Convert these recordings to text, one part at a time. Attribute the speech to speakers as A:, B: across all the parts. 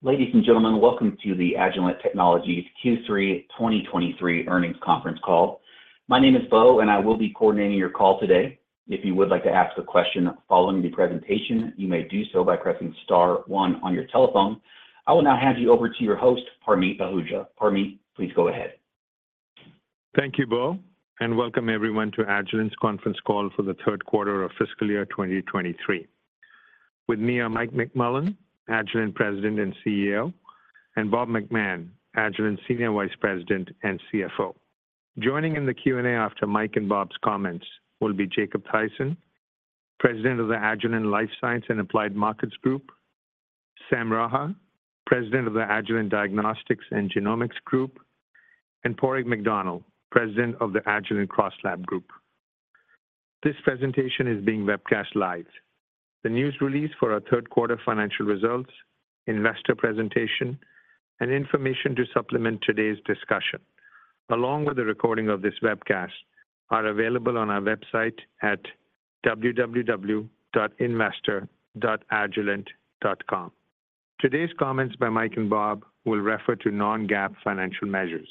A: Ladies and gentlemen, welcome to the Agilent Technologies Q3 2023 earnings conference call. My name is Beau, I will be coordinating your call today. If you would like to ask a question following the presentation, you may do so by pressing star one on your telephone. I will now hand you over to your host, Parmeet Ahuja. Parmeet, please go ahead.
B: Thank you, Beau. Welcome everyone to Agilent's conference call for the third quarter of fiscal year 2023. With me are Mike McMullen, Agilent President and CEO, and Bob McMahon, Agilent Senior Vice President and CFO. Joining in the Q&A after Mike and Bob's comments will be Jacob Thaysen, President of the Agilent Life Sciences and Applied Markets Group, Sam Raha, President of the Agilent Diagnostics and Genomics Group, and Padraig McDonnell, President of the Agilent CrossLab Group. This presentation is being webcast live. The news release for our third quarter financial results, investor presentation, and information to supplement today's discussion, along with a recording of this webcast, are available on our website at www.investor.agilent.com. Today's comments by Mike and Bob will refer to non-GAAP financial measures.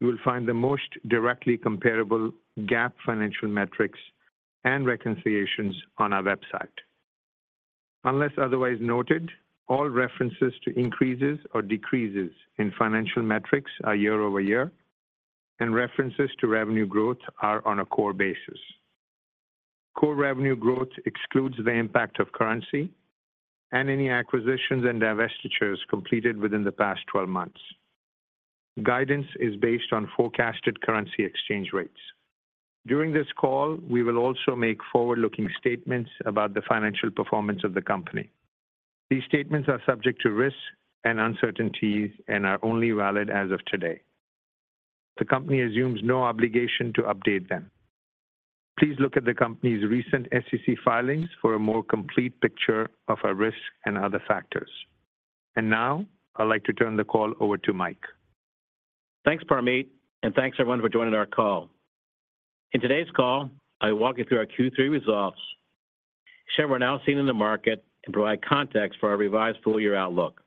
B: You will find the most directly comparable GAAP financial metrics and reconciliations on our website. Unless otherwise noted, all references to increases or decreases in financial metrics are year-over-year, and references to revenue growth are on a core basis. Core revenue growth excludes the impact of currency and any acquisitions and divestitures completed within the past 12 months. Guidance is based on forecasted currency exchange rates. During this call, we will also make forward-looking statements about the financial performance of the company. These statements are subject to risks and uncertainties and are only valid as of today. The company assumes no obligation to update them. Please look at the company's recent SEC filings for a more complete picture of our risks and other factors. Now, I'd like to turn the call over to Mike.
C: Thanks, Parmeet, and thanks everyone for joining our call. In today's call, I will walk you through our Q3 results, share what we're now seeing in the market, and provide context for our revised full year outlook.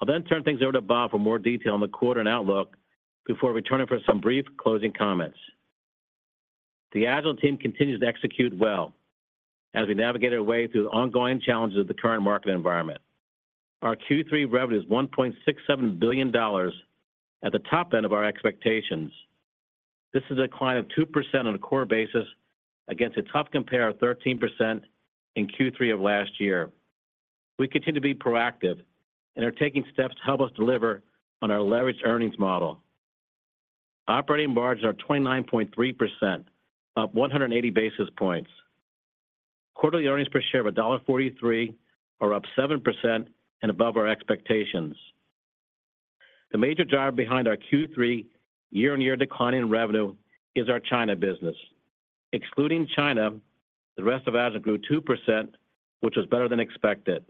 C: I'll then turn things over to Bob for more detail on the quarter and outlook before returning for some brief closing comments. The Agilent team continues to execute well as we navigate our way through the ongoing challenges of the current market environment. Our Q3 revenue is $1.67 billion, at the top end of our expectations. This is a decline of 2% on a core basis against a tough compare of 13% in Q3 of last year. We continue to be proactive and are taking steps to help us deliver on our leveraged earnings model. Operating margins are 29.3%, up 180 basis points. Quarterly earnings per share of $1.43 are up 7% and above our expectations. The major driver behind our Q3 year-on-year decline in revenue is our China business. Excluding China, the rest of Agilent grew 2%, which was better than expected.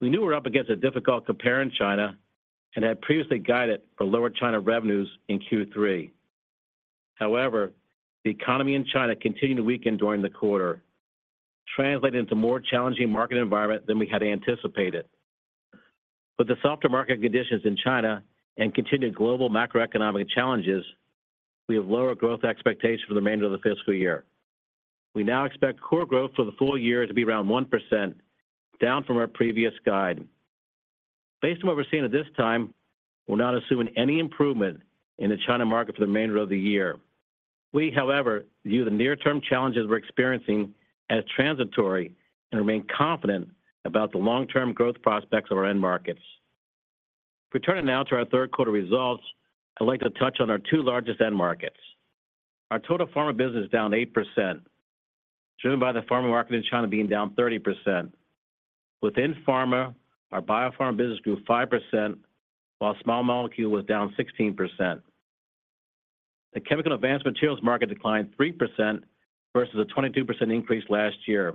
C: We knew we're up against a difficult compare in China and had previously guided for lower China revenues in Q3. However, the economy in China continued to weaken during the quarter, translating into a more challenging market environment than we had anticipated. With the softer market conditions in China and continued global macroeconomic challenges, we have lower growth expectations for the remainder of the fiscal year. We now expect core growth for the full year to be around 1%, down from our previous guide. Based on what we're seeing at this time, we're not assuming any improvement in the China market for the remainder of the year. We, however, view the near-term challenges we're experiencing as transitory and remain confident about the long-term growth prospects of our end markets. Returning now to our third quarter results, I'd like to touch on our two largest end markets. Our total pharma business is down 8%, driven by the pharma market in China being down 30%. Within pharma, our biopharma business grew 5%, while small molecule was down 16%. The chemical advanced materials market declined 3% versus a 22% increase last year.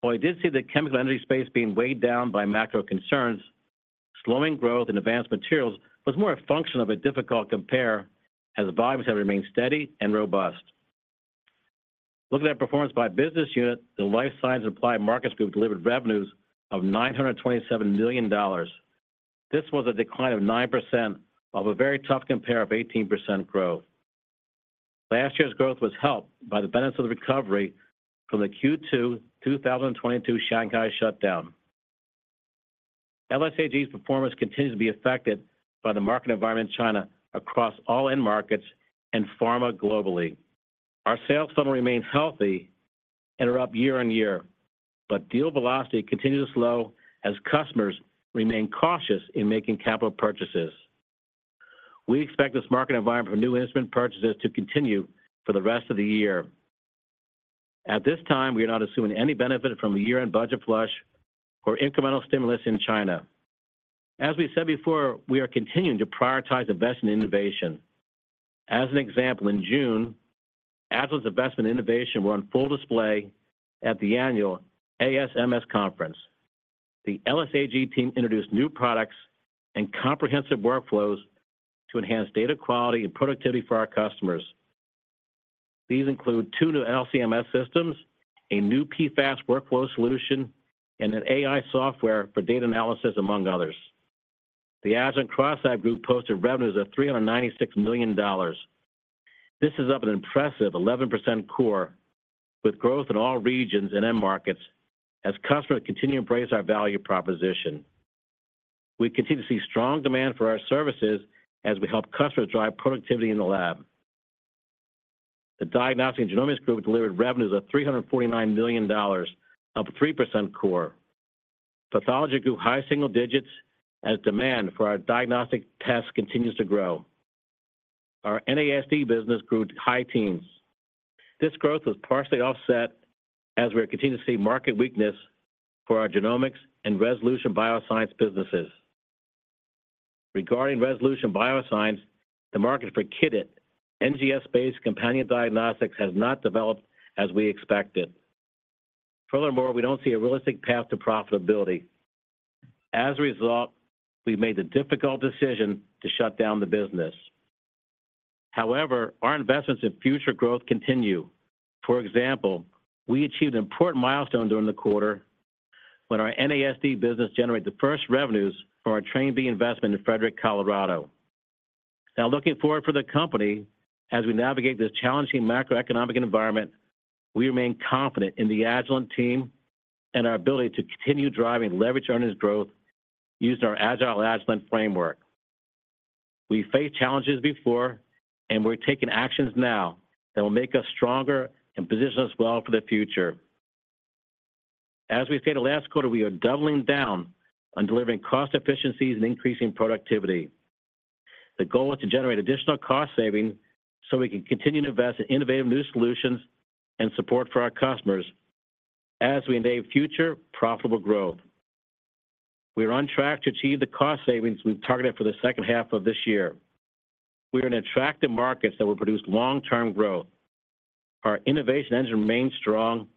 C: While we did see the chemical energy space being weighed down by macro concerns, slowing growth in advanced materials was more a function of a difficult compare, as volumes have remained steady and robust. Looking at performance by business unit, the Life Sciences and Applied Markets Group delivered revenues of $927 million. This was a decline of 9% of a very tough compare of 18% growth. Last year's growth was helped by the benefits of the recovery from the Q2 2022 Shanghai shutdown. LSAG's performance continues to be affected by the market environment in China across all end markets and pharma globally. Our sales funnel remains healthy and are up year-on-year. Deal velocity continues to slow as customers remain cautious in making capital purchases. We expect this market environment for new instrument purchases to continue for the rest of the year. At this time, we are not assuming any benefit from a year-end budget flush or incremental stimulus in China. We said before, we are continuing to prioritize investment in innovation. As an example, in June, Agilent's investment in innovation were on full display at the annual ASMS conference. The LSAG team introduced new products and comprehensive workflows to enhance data quality and productivity for our customers.... These include two new LC-MS systems, a new PFAS workflow solution, and an AI software for data analysis, among others. The Agilent CrossLab Group posted revenues of $396 million. This is up an impressive 11% core, with growth in all regions and end markets as customers continue to embrace our value proposition. We continue to see strong demand for our services as we help customers drive productivity in the lab. The Diagnostics and Genomics Group delivered revenues of $349 million, up 3% core. Pathology grew high single digits as demand for our diagnostic tests continues to grow. Our NASD business grew high teens. This growth was partially offset as we continue to see market weakness for our genomics and Resolution Bioscience businesses. Regarding Resolution Bioscience, the market for kitted NGS-based companion diagnostics has not developed as we expected. We don't see a realistic path to profitability. We've made the difficult decision to shut down the business. Our investments in future growth continue. For example, we achieved an important milestone during the quarter when our NASD business generated the first revenues for our Train B investment in Frederick, Colorado. Looking forward for the company, as we navigate this challenging macroeconomic environment, we remain confident in the Agilent team and our ability to continue driving leverage earnings growth using our Agile Agilent framework. We've faced challenges before, and we're taking actions now that will make us stronger and position us well for the future. As we said last quarter, we are doubling down on delivering cost efficiencies and increasing productivity. The goal is to generate additional cost savings so we can continue to invest in innovative new solutions and support for our customers as we enable future profitable growth. We are on track to achieve the cost savings we've targeted for the second half of this year. We are in attractive markets that will produce long-term growth. Our innovation engine remains strong,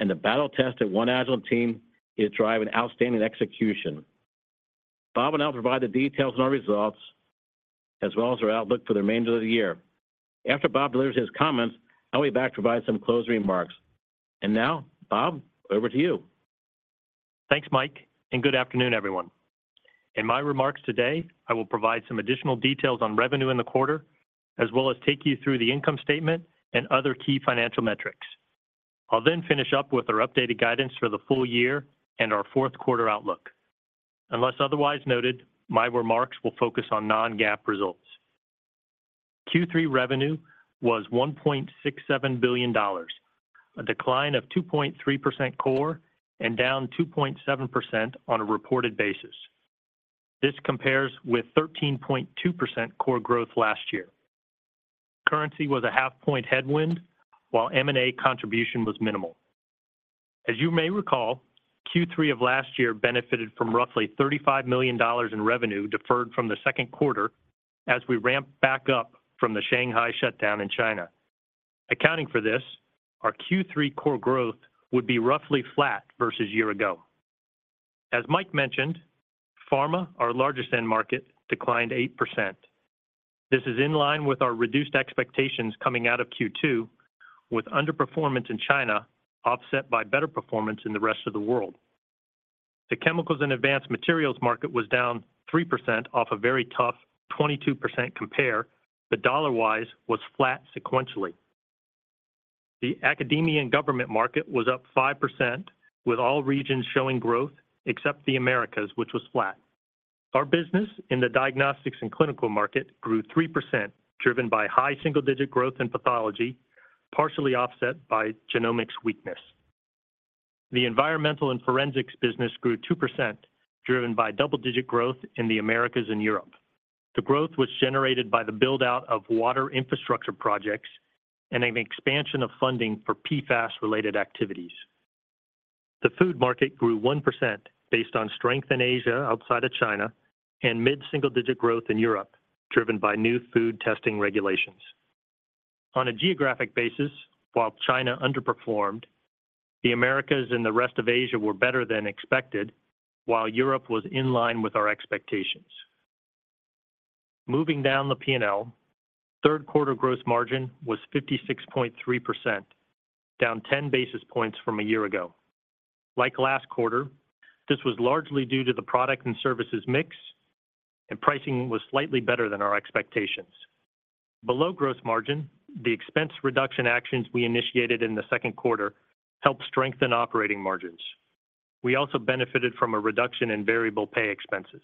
C: and the battle-tested One Agilent team is driving outstanding execution. Bob will now provide the details on our results, as well as our outlook for the remainder of the year. After Bob delivers his comments, I'll be back to provide some closing remarks. Now, Bob, over to you.
D: Thanks, Mike, good afternoon, everyone. In my remarks today, I will provide some additional details on revenue in the quarter, as well as take you through the income statement and other key financial metrics. I'll then finish up with our updated guidance for the full year and our fourth quarter outlook. Unless otherwise noted, my remarks will focus on non-GAAP results. Q3 revenue was $1.67 billion, a decline of 2.3% core and down 2.7% on a reported basis. This compares with 13.2% core growth last year. Currency was a half point headwind, while M&A contribution was minimal. As you may recall, Q3 of last year benefited from roughly $35 million in revenue deferred from the second quarter as we ramped back up from the Shanghai shutdown in China. Accounting for this, our Q3 core growth would be roughly flat versus year-ago. As Mike mentioned, pharma, our largest end market, declined 8%. This is in line with our reduced expectations coming out of Q2, with underperformance in China offset by better performance in the rest of the world. The chemicals and advanced materials market was down 3% off a very tough 22% compare, but dollar-wise was flat sequentially. The academia and government market was up 5%, with all regions showing growth except the Americas, which was flat. Our business in the diagnostics and clinical market grew 3%, driven by high single-digit growth in pathology, partially offset by genomics weakness. The environmental and forensics business grew 2%, driven by double-digit growth in the Americas and Europe. The growth was generated by the build-out of water infrastructure projects and an expansion of funding for PFAS-related activities. The food market grew 1% based on strength in Asia, outside of China, and mid-single digit growth in Europe, driven by new food testing regulations. On a geographic basis, while China underperformed, the Americas and the rest of Asia were better than expected, while Europe was in line with our expectations. Moving down the P&L, third quarter gross margin was 56.3%, down 10 basis points from a year ago. Like last quarter, this was largely due to the product and services mix, and pricing was slightly better than our expectations. Below gross margin, the expense reduction actions we initiated in the second quarter helped strengthen operating margins. We also benefited from a reduction in variable pay expenses.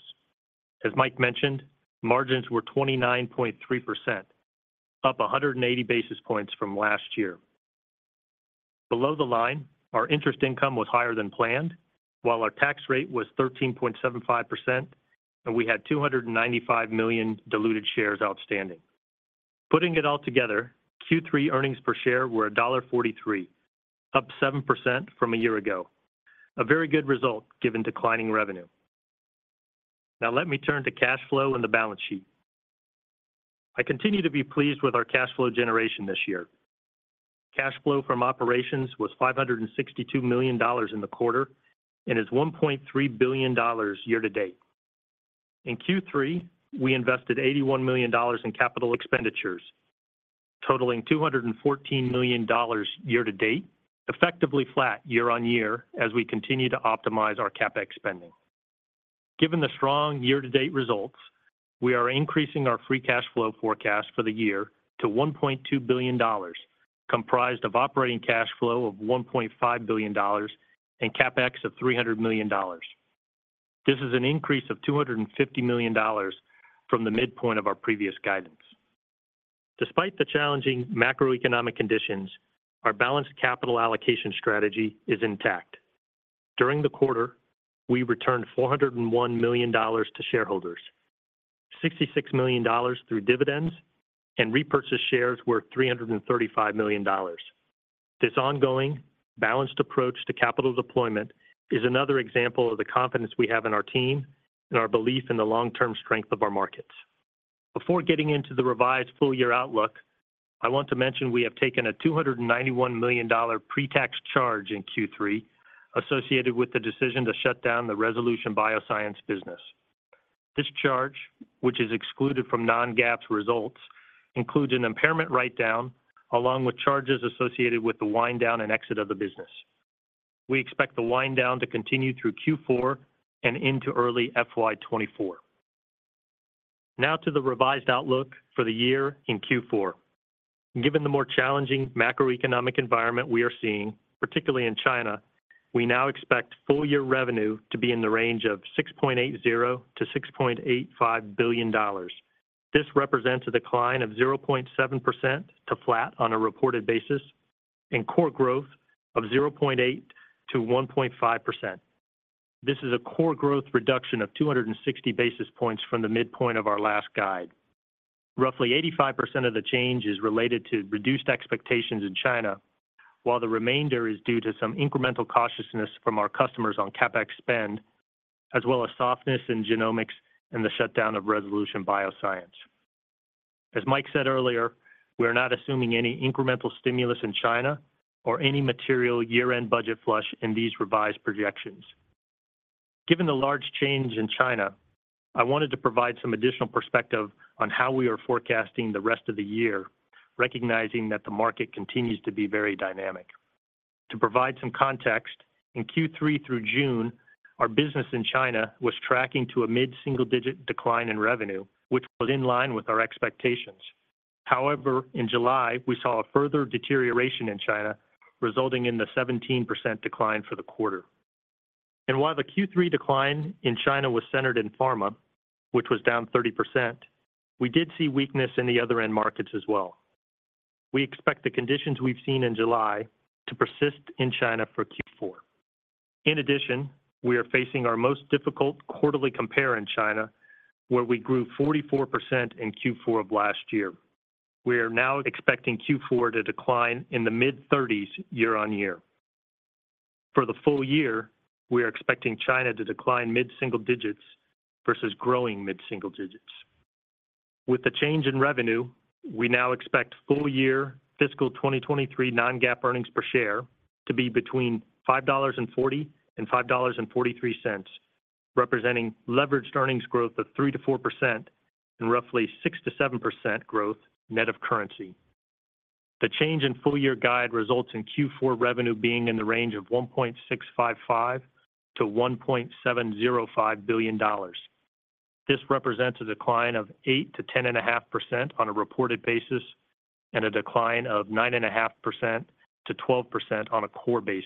D: As Mike mentioned, margins were 29.3%, up 180 basis points from last year. Below the line, our interest income was higher than planned, while our tax rate was 13.75%, and we had 295 million diluted shares outstanding. Putting it all together, Q3 earnings per share were $1.43, up 7% from a year ago. A very good result, given declining revenue. Now let me turn to cash flow and the balance sheet. I continue to be pleased with our cash flow generation this year. Cash flow from operations was $562 million in the quarter and is $1.3 billion year to date.... In Q3, we invested $81 million in capital expenditures, totaling $214 million year-to-date, effectively flat year-on-year as we continue to optimize our CapEx spending. Given the strong year-to-date results, we are increasing our free cash flow forecast for the year to $1.2 billion, comprised of operating cash flow of $1.5 billion and CapEx of $300 million. This is an increase of $250 million from the midpoint of our previous guidance. Despite the challenging macroeconomic conditions, our balanced capital allocation strategy is intact. During the quarter, we returned $401 million to shareholders, $66 million through dividends and repurchased shares worth $335 million. This ongoing, balanced approach to capital deployment is another example of the confidence we have in our team and our belief in the long-term strength of our markets. Before getting into the revised full-year outlook, I want to mention we have taken a $291 million pre-tax charge in Q3, associated with the decision to shut down the Resolution Bioscience business. This charge, which is excluded from non-GAAP results, includes an impairment write-down, along with charges associated with the wind down and exit of the business. We expect the wind down to continue through Q4 and into early FY24. To the revised outlook for the year in Q4. Given the more challenging macroeconomic environment we are seeing, particularly in China, we now expect full-year revenue to be in the range of $6.80 billion-$6.85 billion. This represents a decline of 0.7% to flat on a reported basis, and core growth of 0.8%-1.5%. This is a core growth reduction of 260 basis points from the midpoint of our last guide. Roughly 85% of the change is related to reduced expectations in China, while the remainder is due to some incremental cautiousness from our customers on CapEx spend, as well as softness in genomics and the shutdown of Resolution Bioscience. As Mike said earlier, we are not assuming any incremental stimulus in China or any material year-end budget flush in these revised projections. Given the large change in China, I wanted to provide some additional perspective on how we are forecasting the rest of the year, recognizing that the market continues to be very dynamic. To provide some context, in Q3 through June, our business in China was tracking to a mid-single-digit decline in revenue, which was in line with our expectations. However, in July, we saw a further deterioration in China, resulting in the 17% decline for the quarter. While the Q3 decline in China was centered in pharma, which was down 30%, we did see weakness in the other end markets as well. We expect the conditions we've seen in July to persist in China for Q4. In addition, we are facing our most difficult quarterly compare in China, where we grew 44% in Q4 of last year. We are now expecting Q4 to decline in the mid-30s year-on-year. For the full year, we are expecting China to decline mid-single digits versus growing mid-single digits. With the change in revenue, we now expect full-year fiscal 2023 non-GAAP earnings per share to be between $5.40 and $5.43, representing leveraged earnings growth of 3%-4% and roughly 6%-7% growth net of currency. The change in full-year guide results in Q4 revenue being in the range of $1.655 billion-$1.705 billion. This represents a decline of 8%-10.5% on a reported basis, and a decline of 9.5%-12% on a core basis.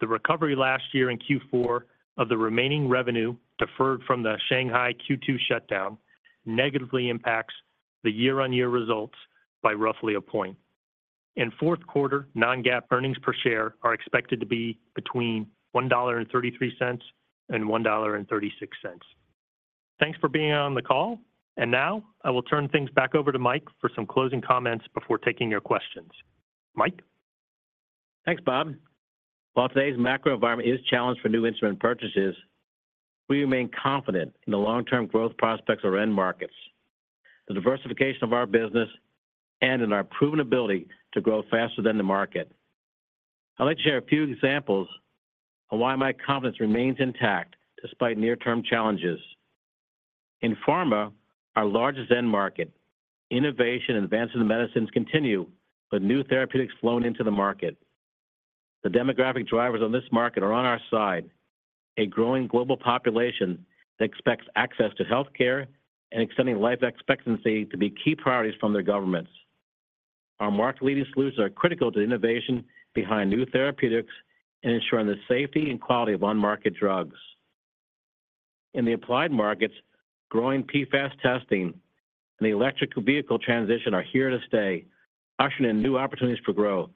D: The recovery last year in Q4 of the remaining revenue deferred from the Shanghai Q2 shutdown, negatively impacts the year-on-year results by roughly 1 point. In fourth quarter, non-GAAP earnings per share are expected to be between $1.33 and $1.36. Thanks for being on the call. Now, I will turn things back over to Mike for some closing comments before taking your questions. Mike?
C: Thanks, Bob. While today's macro environment is challenged for new instrument purchases, we remain confident in the long-term growth prospects of our end markets, the diversification of our business, and in our proven ability to grow faster than the market. I'd like to share a few examples on why my confidence remains intact despite near-term challenges. In pharma, our largest end market, innovation and advancing the medicines continue, with new therapeutics flowing into the market. The demographic drivers on this market are on our side. A growing global population expects access to healthcare and extending life expectancy to be key priorities from their governments. Our market-leading solutions are critical to innovation behind new therapeutics and ensuring the safety and quality of on-market drugs. In the applied markets, growing PFAS testing and the electrical vehicle transition are here to stay, ushering in new opportunities for growth.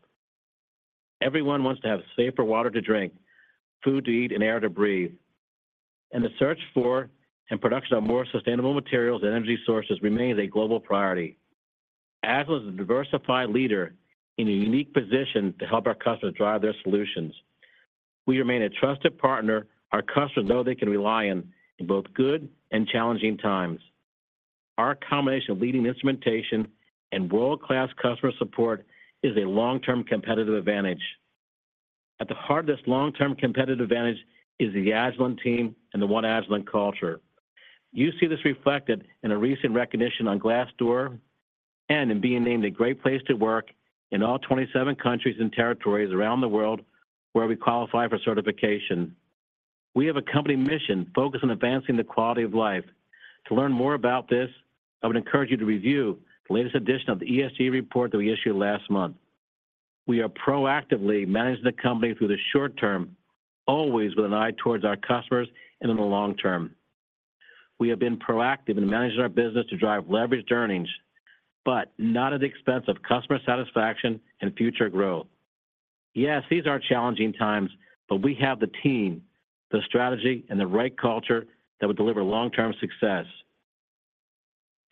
C: Everyone wants to have safer water to drink, food to eat, and air to breathe, and the search for and production of more sustainable materials and energy sources remains a global priority. Agilent is a diversified leader in a unique position to help our customers drive their solutions. We remain a trusted partner our customers know they can rely on in both good and challenging times. Our combination of leading instrumentation and world-class customer support is a long-term competitive advantage. At the heart of this long-term competitive advantage is the Agilent team and the One Agilent culture. You see this reflected in a recent recognition on Glassdoor, and in being named a great place to work in all 27 countries and territories around the world where we qualify for certification. We have a company mission focused on advancing the quality of life. To learn more about this, I would encourage you to review the latest edition of the ESG report that we issued last month. We are proactively managing the company through the short term, always with an eye towards our customers and in the long term. We have been proactive in managing our business to drive leveraged earnings, but not at the expense of customer satisfaction and future growth. Yes, these are challenging times, but we have the team, the strategy, and the right culture that will deliver long-term success.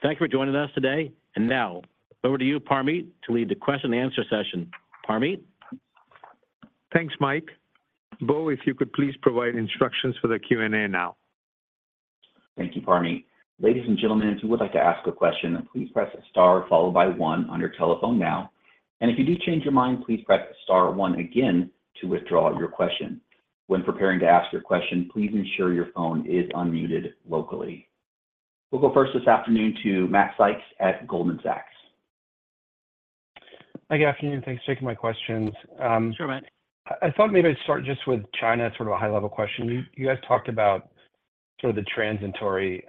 C: Thank you for joining us today, now over to you, Parmeet, to lead the question and answer session. Parmeet?
B: Thanks, Mike. Beau, if you could please provide instructions for the Q&A now.
A: Thank you, Parmeet. Ladies and gentlemen, if you would like to ask a question, please press star followed by one on your telephone now. If you do change your mind, please press star one again to withdraw your question. When preparing to ask your question, please ensure your phone is unmuted locally. We'll go first this afternoon to Matt Sykes at Goldman Sachs.
E: Good afternoon. Thanks for taking my questions.
C: Sure, Matt.
E: I, I thought maybe I'd start just with China, sort of a high-level question. You, you guys talked about sort of the transitory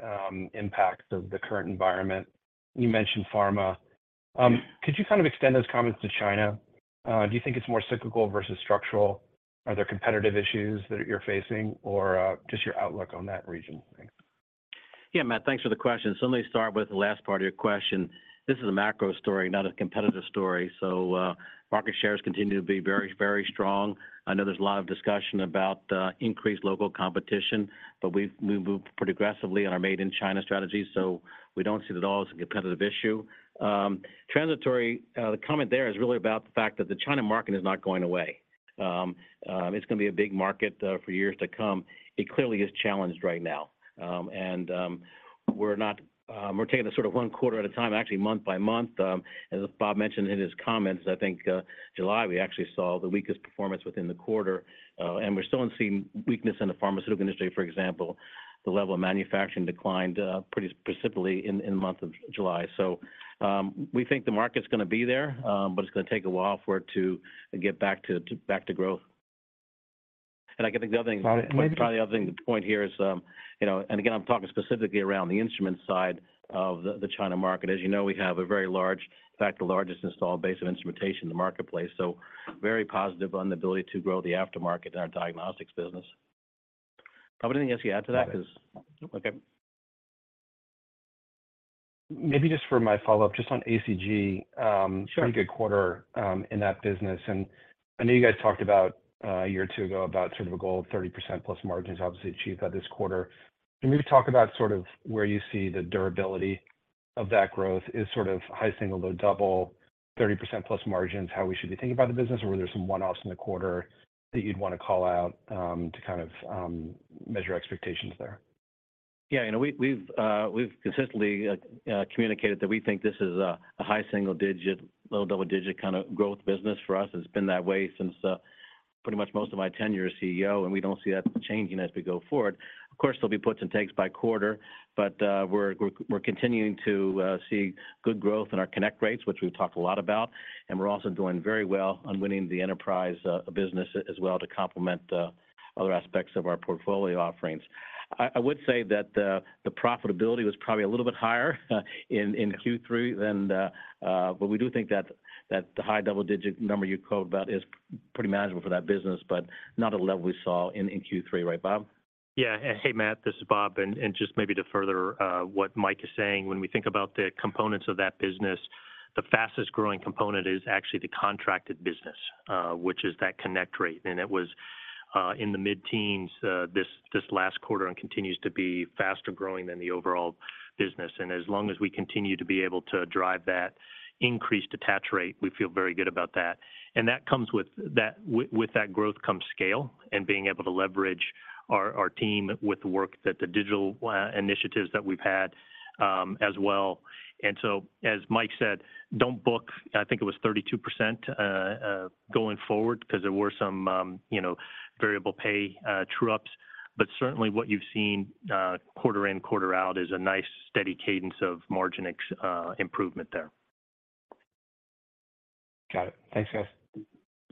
E: impacts of the current environment. You mentioned pharma. Could you kind of extend those comments to China? Do you think it's more cyclical versus structural? Are there competitive issues that you're facing, or just your outlook on that region? Thanks.
C: Yeah, Matt, thanks for the question. Let me start with the last part of your question. This is a macro story, not a competitive story, so, market shares continue to be very, very strong. I know there's a lot of discussion about increased local competition, but we've moved pretty aggressively on our Made in China strategy, so we don't see it at all as a competitive issue. Transitory, the comment there is really about the fact that the China market is not going away. It's going to be a big market for years to come. It clearly is challenged right now. We're not. We're taking it sort of one quarter at a time, actually month by month. As Bob mentioned in his comments, I think, July, we actually saw the weakest performance within the quarter. We're still seeing weakness in the pharmaceutical industry, for example. The level of manufacturing declined, pretty specifically in, in the month of July. We think the market's gonna be there, but it's gonna take a while for it to get back to, back to growth. I think the other thing-
D: Bob, may I?
C: Probably the other thing, the point here is, you know, again, I'm talking specifically around the instrument side of the China market. As you know, we have a very large, in fact, the largest installed base of instrumentation in the marketplace, so very positive on the ability to grow the aftermarket in our diagnostics business. Bob, anything else you add to that? Because.
D: Nope.
C: Okay.
E: Maybe just for my follow-up, just on ACG.
C: Sure...
E: pretty good quarter, in that business. I know you guys talked about, a year or two ago, about sort of a goal of 30% plus margins, obviously achieved that this quarter. Can you talk about sort of where you see the durability of that growth is sort of high single to double, 30% plus margins, how we should be thinking about the business? Were there some one-offs in the quarter that you'd want to call out, to kind of measure expectations there?
C: Yeah, you know, we've, we've, we've consistently communicated that we think this is a high single-digit, low double-digit kind of growth business for us. It's been that way since pretty much most of my tenure as CEO, and we don't see that changing as we go forward. Of course, there'll be puts and takes by quarter, but we're, we're, we're continuing to see good growth in our connect rates, which we've talked a lot about, and we're also doing very well on winning the enterprise business as well to complement the other aspects of our portfolio offerings. I, I would say that the profitability was probably a little bit higher, in Q3 than the. we do think that the high double-digit number you quote about is pretty manageable for that business, but not at the level we saw in, in Q3, right, Bob?
D: Yeah. Hey, Matt, this is Bob. Just maybe to further what Mike is saying, when we think about the components of that business, the fastest growing component is actually the contracted business, which is that connect rate. It was in the mid-teens this last quarter and continues to be faster growing than the overall business. As long as we continue to be able to drive that increased attach rate, we feel very good about that. That comes with, with that growth comes scale and being able to leverage our team with the work that the digital initiatives that we've had as well. As Mike said, don't book, I think it was 32% going forward, because there were some, you know, variable pay true-ups. Certainly what you've seen, quarter in, quarter out is a nice, steady cadence of margin improvement there.
E: Got it. Thanks, guys.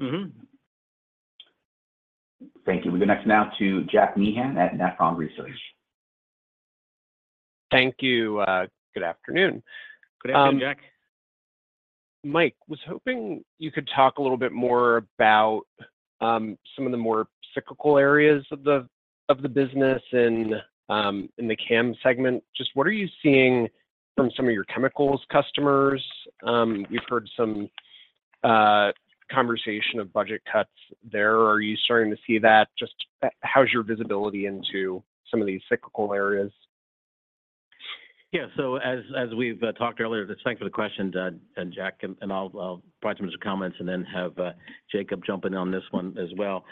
D: Mm-hmm.
A: Thank you. We go next now to Jack Meehan at Nephron Research.
F: Thank you. Good afternoon.
C: Good afternoon, Jack.
F: Mike, was hoping you could talk a little bit more about some of the more cyclical areas of the business and in the CAM segment. Just what are you seeing from some of your chemicals customers? We've heard some conversation of budget cuts there. Are you starting to see that? Just how's your visibility into some of these cyclical areas?
C: Yeah. As, as we've talked earlier, thanks for the question, Jack. I'll, I'll provide some comments and then have Jacob jump in on this one as well.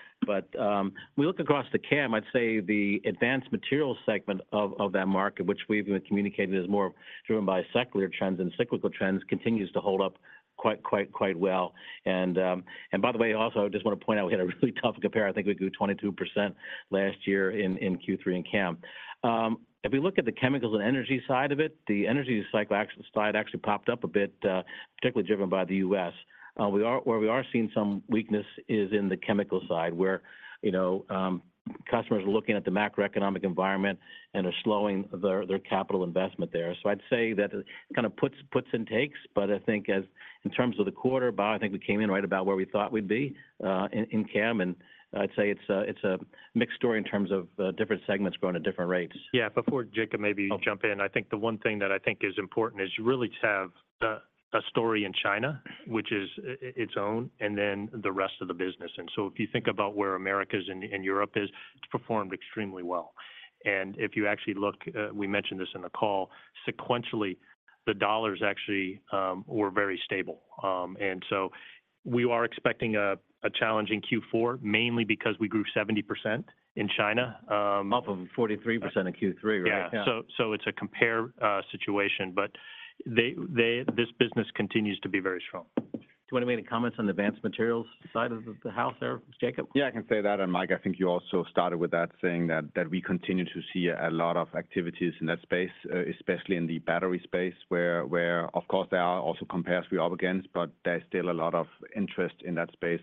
C: We look across the CAM, I'd say the advanced materials segment of that market, which we've been communicating, is more driven by secular trends and cyclical trends, continues to hold up quite, quite, quite well. By the way, also, I just want to point out we had a really tough compare. I think we grew 22% last year in Q3 and CAM. If we look at the chemicals and energy side of it, the energy cycle action side actually popped up a bit, particularly driven by the U.S. We are-- where we are seeing some weakness is in the chemical side, where, you know, customers are looking at the macroeconomic environment and are slowing their, their capital investment there. I'd say that it kind of puts, puts and takes, but I think as in terms of the quarter, Bob, I think we came in right about where we thought we'd be, in, in CAM, and I'd say it's a, it's a mixed story in terms of, different segments growing at different rates.
D: Yeah, before, Jacob, maybe I'll jump in. I think the one thing that I think is important is you really have a, a story in China, which is its own, and then the rest of the business. So if you think about where Americas and, and Europe is, it's performed extremely well. If you actually look, we mentioned this in the call, sequentially, the dollars actually were very stable. So we are expecting a, a challenging Q4, mainly because we grew 70% in China,
C: Up from 43% in Q3, right?
D: Yeah. So it's a compare situation, but they, they-- this business continues to be very strong.
C: Do you want to make any comments on the advanced materials side of the, the house there, Jacob?
G: Yeah, I can say that. Mike, I think you also started with that, saying that, that we continue to see a lot of activities in that space, especially in the battery space, where, where of course, there are also compares we're up against, but there's still a lot of interest in that space,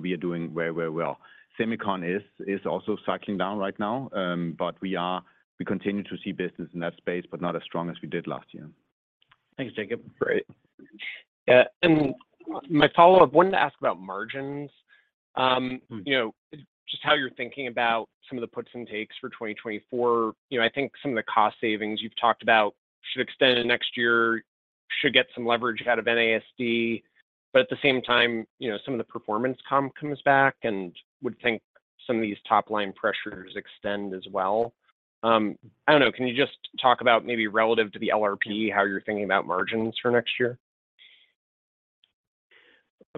G: we are doing very, very well. Semiconductor is, is also cycling down right now, but we continue to see business in that space, but not as strong as we did last year.
C: Thanks, Jacob.
D: Great.
F: Yeah, my follow-up, wanted to ask about margins. You know, just how you're thinking about some of the puts and takes for 2024. You know, I think some of the cost savings you've talked about should extend to next year, should get some leverage out of NASD. At the same time, you know, some of the performance comes back and would think some of these top-line pressures extend as well. I don't know. Can you just talk about maybe relative to the LRP, how you're thinking about margins for next year?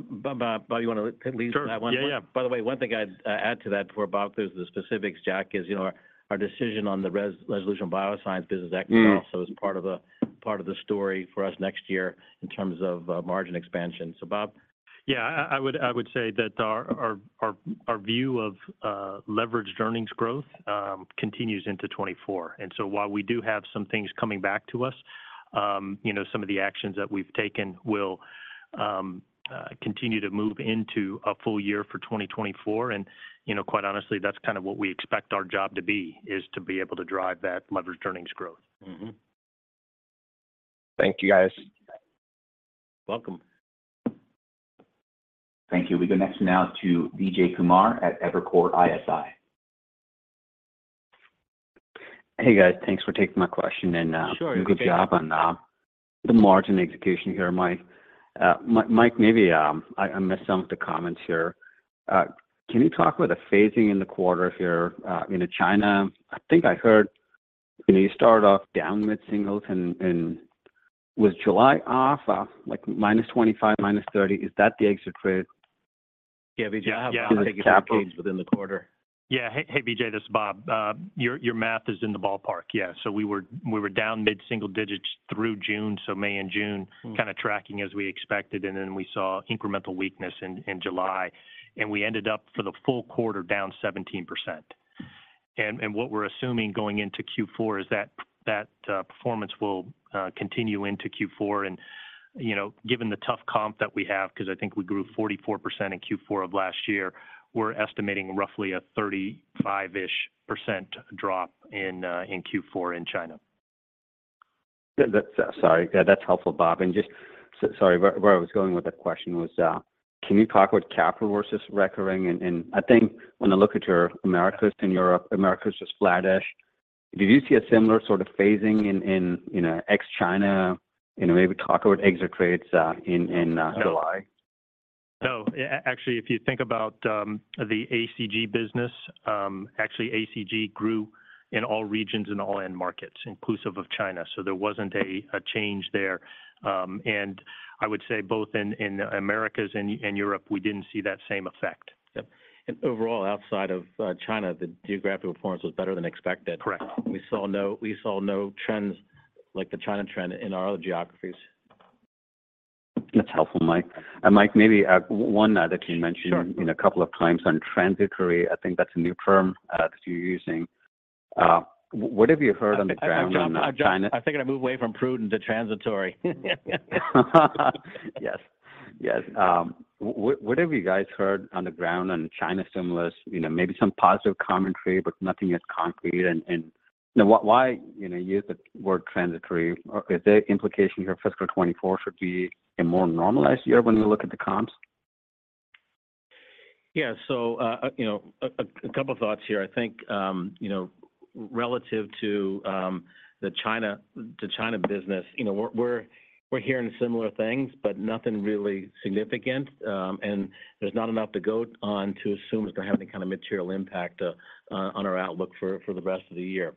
C: Bob, Bob, you want to lead that one?
D: Sure. Yeah, yeah.
C: By the way, one thing I'd add to that before, Bob, there's the specifics, Jack, is, you know, our, our decision on the Resolution Bioscience business.
D: Mm
C: activity also is part of the, part of the story for us next year in terms of, margin expansion. Bob?
D: Yeah, I would say that our view of leveraged earnings growth continues into 2024. So while we do have some things coming back to us, you know, some of the actions that we've taken will continue to move into a full year for 2024. You know, quite honestly, that's kind of what we expect our job to be, is to be able to drive that leveraged earnings growth.
F: Mm-hmm. Thank you, guys.
D: Welcome.
A: Thank you. We go next now to Vijay Kumar at Evercore ISI.
H: Hey, guys. Thanks for taking my question.
C: Sure...
H: good job on the margin execution here, Mike. Mike, maybe, I, I missed some of the comments here. Can you talk about the phasing in the quarter here, you know, China? I think I heard, you know, you started off down mid-singles and, and was July off, like -25%, -30%? Is that the exit rate?
C: Yeah, Vijay, yeah.
D: Yeah
C: within the quarter.
D: Yeah. Hey, hey, Vijay, this is Bob. Your, your math is in the ballpark. Yeah. We were, we were down mid-single digits through June, so May and June.
H: Mm
D: kind of tracking as we expected, then we saw incremental weakness in, in July, and we ended up for the full quarter, down 17%. What we're assuming going into Q4 is that, that performance will continue into Q4. You know, given the tough comp that we have, because I think we grew 44% in Q4 of last year, we're estimating roughly a 35%-ish drop in Q4 in China.
H: Good. Sorry, yeah, that's helpful, Bob. Just sorry, where, where I was going with that question was, can you talk about capital versus recurring? I think when I look at your Americas and Europe, Americas is flattish. Did you see a similar sort of phasing in, in, you know, ex-China? Maybe talk about exit rates in July.
D: Actually, if you think about the ACG business, actually, ACG grew in all regions and all end markets, inclusive of China, so there wasn't a change there. I would say both in Americas and Europe, we didn't see that same effect.
C: Yep. Overall, outside of China, the geographic performance was better than expected.
D: Correct.
C: We saw no, we saw no trends like the China trend in our other geographies.
H: That's helpful, Mike. Mike, maybe, one other thing you mentioned,
C: Sure
H: you know, a couple of times on transitory. I think that's a new term, that you're using. What have you heard on the ground on China?
C: I think I moved away from prudent to transitory.
H: Yes. Yes. What have you guys heard on the ground on China stimulus? You know, maybe some positive commentary, but nothing as concrete. And why, you know, use the word transitory? Is the implication here fiscal 2024 should be a more normalized year when we look at the comps?
D: Yeah. You know, a couple of thoughts here. I think, you know, relative to the China, the China business, you know, we're, we're, we're hearing similar things, but nothing really significant. There's not enough to go on to assume it's going to have any kind of material impact on our outlook for the rest of the year. ...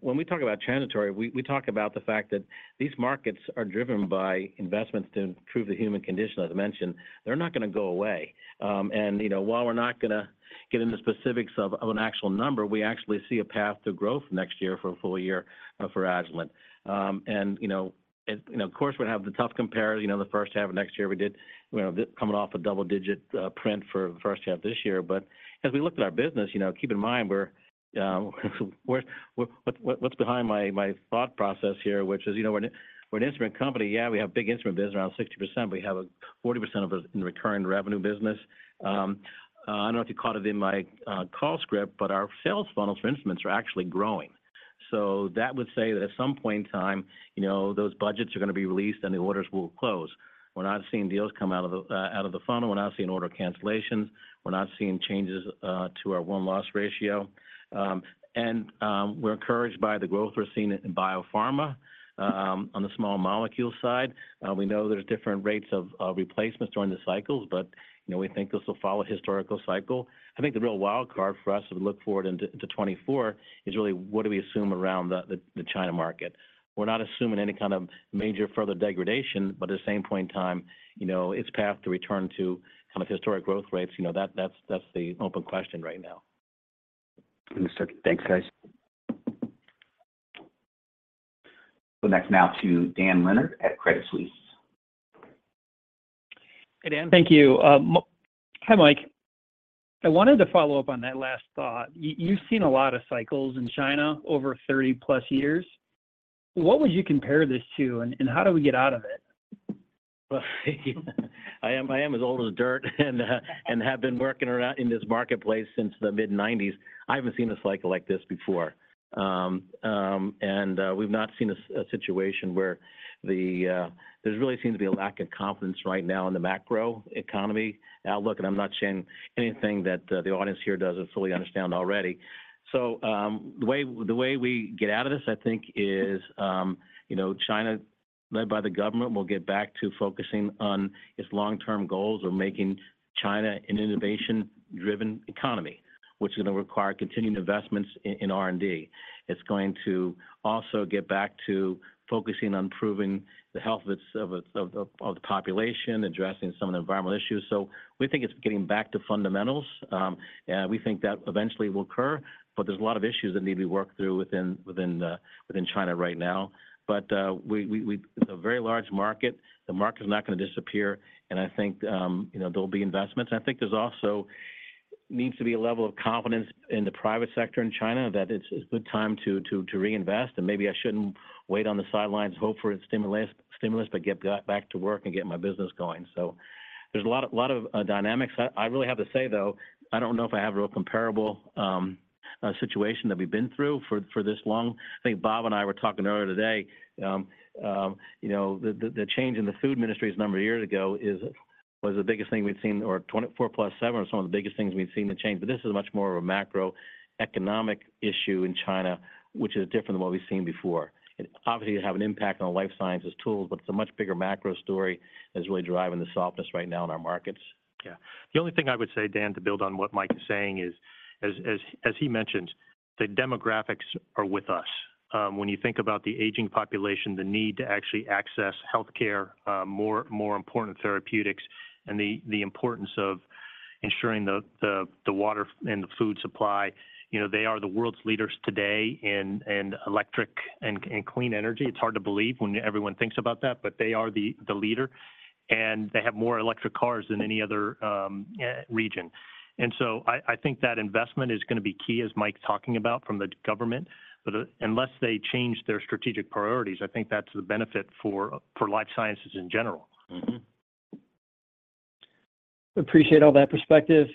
D: when we talk about transitory, we, we talk about the fact that these markets are driven by investments to improve the human condition, as I mentioned. They're not gonna go away. While we're not gonna get into specifics of, of an actual number, we actually see a path to growth next year for a full year, for Agilent. You know, and, you know, of course, we'd have the tough comparison, you know, the first half of next year, we did, you know, coming off a double-digit, print for the first half this year. But as we looked at our business, you know, keep in mind we're, what's behind my, my thought process here, which is, you know, we're an instrument company. Yeah, we have big instrument business, around 60%. We have a 40% of us in recurring revenue business. I don't know if you caught it in my call script, but our sales funnels for instruments are actually growing. That would say that at some point in time, you know, those budgets are gonna be released, and the orders will close. We're not seeing deals come out of the out of the funnel. We're not seeing order cancellations. We're not seeing changes to our won-loss ratio. We're encouraged by the growth we're seeing in biopharma on the small molecule side. We know there's different rates of, of replacements during the cycles, but, you know, we think this will follow historical cycle. I think the real wild card for us as we look forward into, to 2024, is really: What do we assume around the, the, the China market? We're not assuming any kind of major further degradation, but at the same point in time, you know, its path to return to kind of historic growth rates, you know, that, that's, that's the open question right now.
H: Thanks, guys.
A: We'll next now to Dan Leonard at Credit Suisse.
I: Hey, Dan. Thank you. Hi, Mike. I wanted to follow up on that last thought. You've seen a lot of cycles in China over 30-plus years. What would you compare this to, and, and how do we get out of it?
C: Well, I am, I am as old as dirt and have been working around in this marketplace since the mid-'90s. I haven't seen a cycle like this before. We've not seen a situation where there's really seems to be a lack of confidence right now in the macro economy outlook, and I'm not saying anything that the audience here doesn't fully understand already. The way, the way we get out of this, I think, is, you know, China, led by the government, will get back to focusing on its long-term goals of making China an innovation-driven economy, which is gonna require continuing investments in, in R&D. It's going to also get back to focusing on improving the health of its, of its, of the, of the population, addressing some of the environmental issues. We think it's getting back to fundamentals, and we think that eventually will occur, but there's a lot of issues that need to be worked through within, within, within China right now. It's a very large market. The market is not gonna disappear, and I think, you know, there'll be investments. I think there's also needs to be a level of confidence in the private sector in China, that it's a good time to, to, to reinvest, and maybe I shouldn't wait on the sidelines, hope for a stimulus, stimulus, but get back to work and get my business going. There's a lot of, lot of, dynamics. I, I really have to say, though, I don't know if I have a real comparable, situation that we've been through for, for this long. I think Bob and I were talking earlier today, you know, the, the, the change in the food industry a number of years ago is, was the biggest thing we'd seen, or 24 plus 7 are some of the biggest things we've seen the change. This is much more of a macroeconomic issue in China, which is different than what we've seen before. It obviously will have an impact on life sciences tools, but it's a much bigger macro story that's really driving the softness right now in our markets.
D: Yeah. The only thing I would say, Dan, to build on what Mike is saying is, as, as, as he mentioned, the demographics are with us. When you think about the aging population, the need to actually access healthcare, more, more important therapeutics, and the, the importance of ensuring the, the, the water and the food supply, you know, they are the world's leaders today in, in electric and, and clean energy. It's hard to believe when everyone thinks about that, but they are the, the leader, and they have more electric cars than any other, region. So I, I think that investment is gonna be key, as Mike talking about, from the government. Unless they change their strategic priorities, I think that's the benefit for, for life sciences in general.
C: Mm-hmm.
I: Appreciate all that perspective.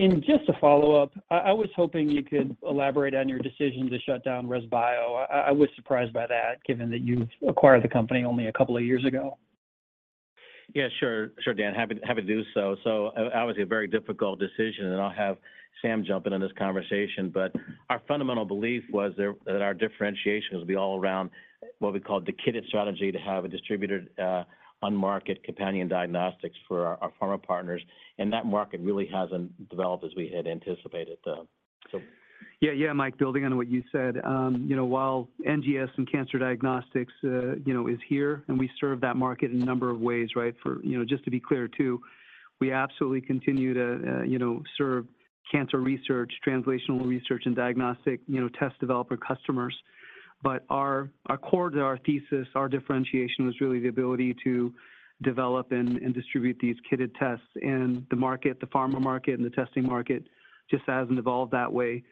I: Just a follow-up, I was hoping you could elaborate on your decision to shut down ResBio. I was surprised by that, given that you've acquired the company only a couple of years ago.
C: Yeah, sure. Sure, Dan. Happy to, happy to do so. Obviously, a very difficult decision, and I'll have Sam jump in on this conversation. Our fundamental belief was there, that our differentiation would be all around what we call the kitted strategy, to have a distributor, on market companion diagnostics for our, our pharma partners, and that market really hasn't developed as we had anticipated.
J: Yeah, yeah, Mike, building on what you said, you know, while NGS and cancer diagnostics, you know, is here, and we serve that market in a number of ways, right? For, you know, just to be clear, too, we absolutely continue to, you know, serve cancer research, translational research, and diagnostic, you know, test developer customers. Our core to our thesis, our differentiation was really the ability to develop and distribute these kitted tests. The market, the pharma market and the testing market, just hasn't evolved that way.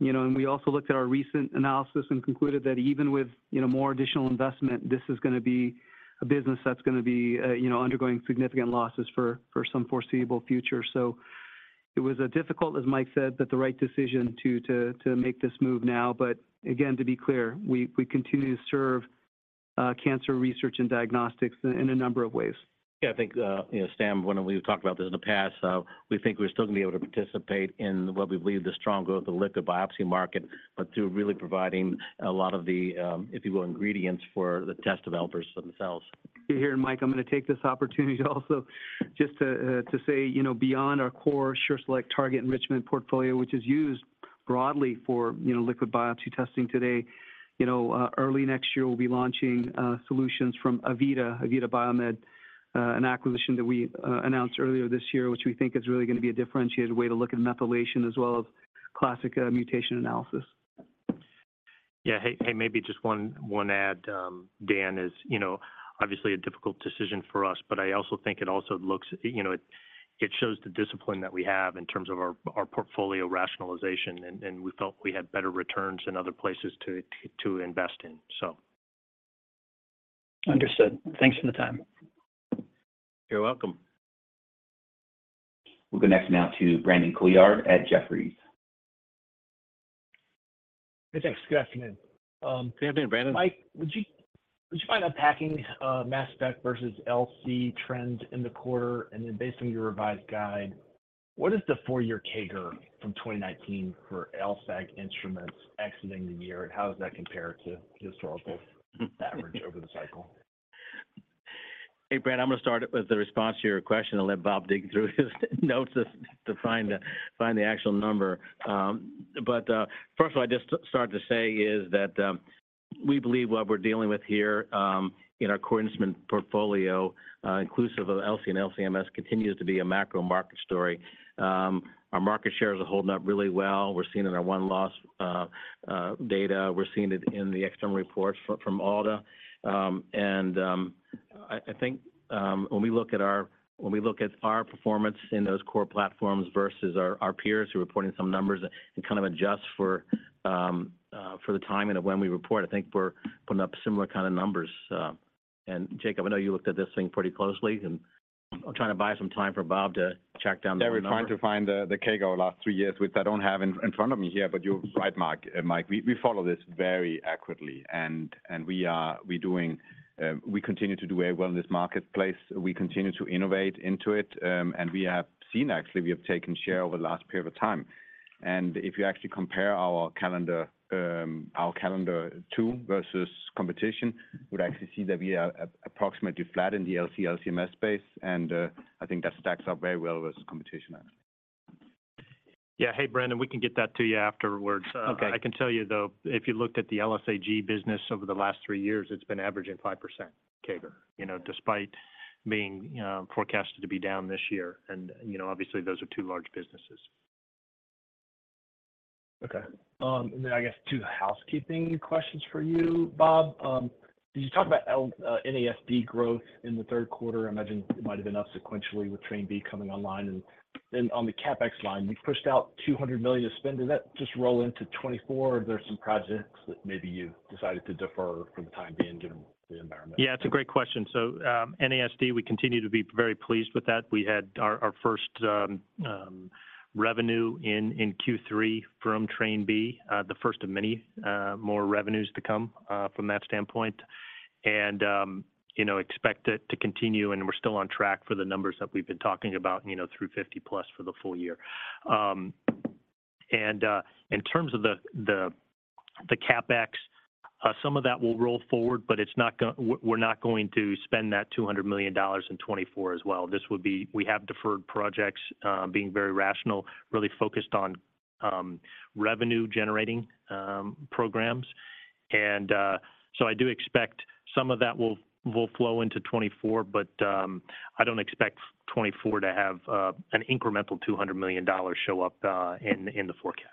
J: You know, we also looked at our recent analysis and concluded that even with, you know, more additional investment, this is gonna be a business that's gonna be, you know, undergoing significant losses for some foreseeable future. It was a difficult, as Mike said, but the right decision to make this move now. Again, to be clear, we continue to serve cancer research and diagnostics in a number of ways.
C: Yeah, I think, you know, Sam, when we've talked about this in the past, we think we're still gonna be able to participate in what we believe the strong growth, the liquid biopsy market, but through really providing a lot of the, if you will, ingredients for the test developers themselves.
J: Here, Mike, I'm gonna take this opportunity also just to say, you know, beyond our core SureSelect Target Enrichment portfolio, which is used-... broadly for, you know, liquid biopsy testing today. You know, early next year, we'll be launching solutions from Avida, Avida Biomed, an acquisition that we announced earlier this year, which we think is really gonna be a differentiated way to look at methylation as well as classic mutation analysis.
C: Yeah. Hey, hey, maybe just one, one add, Dan, is, you know, obviously a difficult decision for us, but I also think it also looks, you know, it, it shows the discipline that we have in terms of our, our portfolio rationalization, and, and we felt we had better returns in other places to, to, to invest in, so.
I: Understood. Thanks for the time.
C: You're welcome.
A: We'll go next now to Brandon Couillard at Jefferies.
K: Hey, thanks. Good afternoon.
C: Good afternoon, Brandon.
K: Mike, would you, would you mind unpacking, mass spectrometry versus LC trends in the quarter? Then based on your revised guide, what is the 4-year CAGR from 2019 for LC instruments exiting the year, and how does that compare to historical average over the cycle?
C: Hey, Brandon, I'm gonna start with the response to your question and let Bob dig through his notes to, to find the, find the actual number. But, first of all, I just start to say is that, we believe what we're dealing with here, in our core instrument portfolio, inclusive of LC and LC/MS, continues to be a macro market story. Our market shares are holding up really well. We're seeing it in our one loss data. We're seeing it in the external reports from, from ALDA. And, I, I think, when we look at our performance in those core platforms versus our, our peers who are reporting some numbers and kind of adjust for, for the timing of when we report, I think we're putting up similar kind of numbers. Jacob, I know you looked at this thing pretty closely, and I'm trying to buy some time for Bob to check down the numbers.
G: Yeah, we're trying to find the CAGR of last 3 years, which I don't have in front of me here, but you're right, Mark, Mike, we, we follow this very accurately, and, and we doing, we continue to do very well in this marketplace. We continue to innovate into it, and we have seen actually, we have taken share over the last period of time. If you actually compare our calendar, our calendar 2 versus competition, would actually see that we are approximately flat in the LC/LC-MS space, and, I think that stacks up very well versus competition actually.
D: Yeah. Hey, Brandon, we can get that to you afterwards.
K: Okay.
D: I can tell you, though, if you looked at the LSAG business over the last three years, it's been averaging 5% CAGR. You know, despite being forecasted to be down this year. You know, obviously, those are two large businesses.
K: Okay. I guess two housekeeping questions for you, Bob, did you talk about NASD growth in the third quarter? I imagine it might have been up sequentially with Train B coming online. Then on the CapEx line, you've pushed out $200 million of spend. Did that just roll into 2024, or are there some projects that maybe you've decided to defer for the time being, given the environment?
D: Yeah, it's a great question. NASD, we continue to be very pleased with that. We had our, our first revenue in Q3 from Train B, the first of many more revenues to come from that standpoint. You know, expect it to continue, and we're still on track for the numbers that we've been talking about, you know, through 50+ for the full year. In terms of the CapEx, some of that will roll forward, but we're not going to spend that $200 million in 2024 as well. This would be... We have deferred projects, being very rational, really focused on revenue generating programs. I do expect some of that will, will flow into 2024, but I don't expect 2024 to have an incremental $200 million show up in the forecast.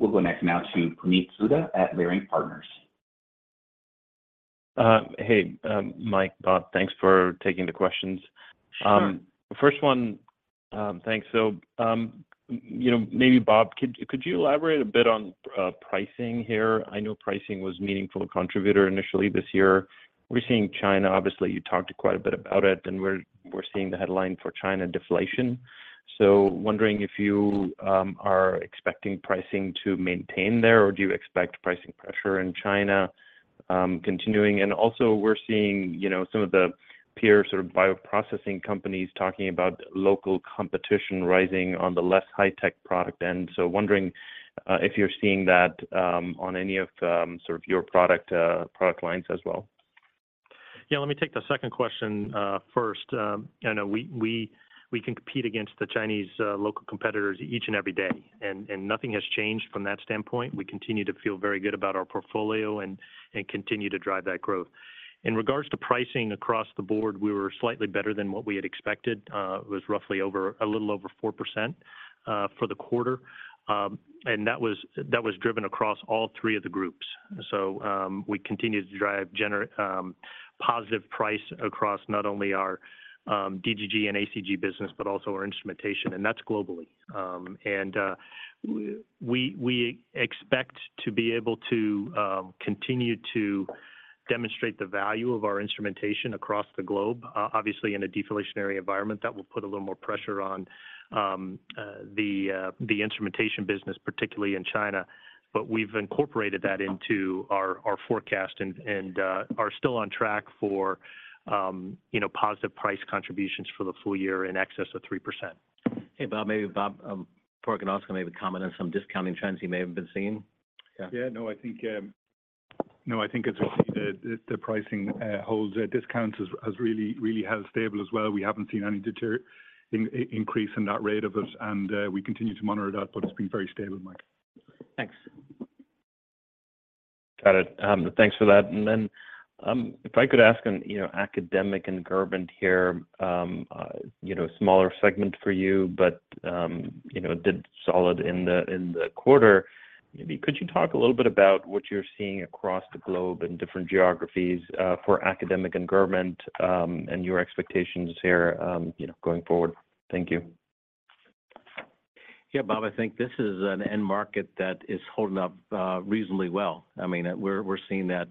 K: Okay. Thank you.
A: We'll go next now to Puneet Souda at Leerink Partners.
L: Hey, Mike, Bob, thanks for taking the questions.
D: Sure.
L: The first one, thanks. You know, maybe Bob, could you elaborate a bit on pricing here? I know pricing was a meaningful contributor initially this year. We're seeing China, obviously, you talked quite a bit about it, and we're seeing the headline for China deflation. Wondering if you are expecting pricing to maintain there, or do you expect pricing pressure in China continuing? We're seeing, you know, some of the peer sort of bioprocessing companies talking about local competition rising on the less high-tech product end. Wondering if you're seeing that on any of sort of your product product lines as well?
D: Yeah, let me take the second question first. I know we, we, we compete against the Chinese local competitors each and every day, nothing has changed from that standpoint. We continue to feel very good about our portfolio and continue to drive that growth. In regards to pricing across the board, we were slightly better than what we had expected. It was roughly over, a little over 4% for the quarter. That was, that was driven across all 3 of the groups. We continue to drive positive price across not only our DGG and ACG business, but also our instrumentation, and that's globally. We, we expect to be able to continue to demonstrate the value of our instrumentation across the globe. Obviously, in a deflationary environment, that will put a little more pressure on the instrumentation business, particularly in China. We've incorporated that into our forecast and are still on track for, you know, positive price contributions for the full year in excess of 3%. Hey, Bob, maybe Bob, Padraig can also maybe comment on some discounting trends he may have been seeing. Yeah.
M: Yeah, no, I think, no, I think it's mostly the, the, the pricing, holds. Our discounts has, has really, really held stable as well. We haven't seen any deter-- in, increase in that rate of it, and, we continue to monitor that, but it's been very stable, Mike.
D: Thanks.
L: Got it. Thanks for that. Then, if I could ask, you know, Academic and Government here, you know, smaller segment for you, but, you know, did solid in the quarter. Maybe could you talk a little bit about what you're seeing across the globe in different geographies, for Academic and Government, and your expectations here, you know, going forward? Thank you.
C: Yeah, Bob, I think this is an end market that is holding up, reasonably well. I mean, we're seeing that,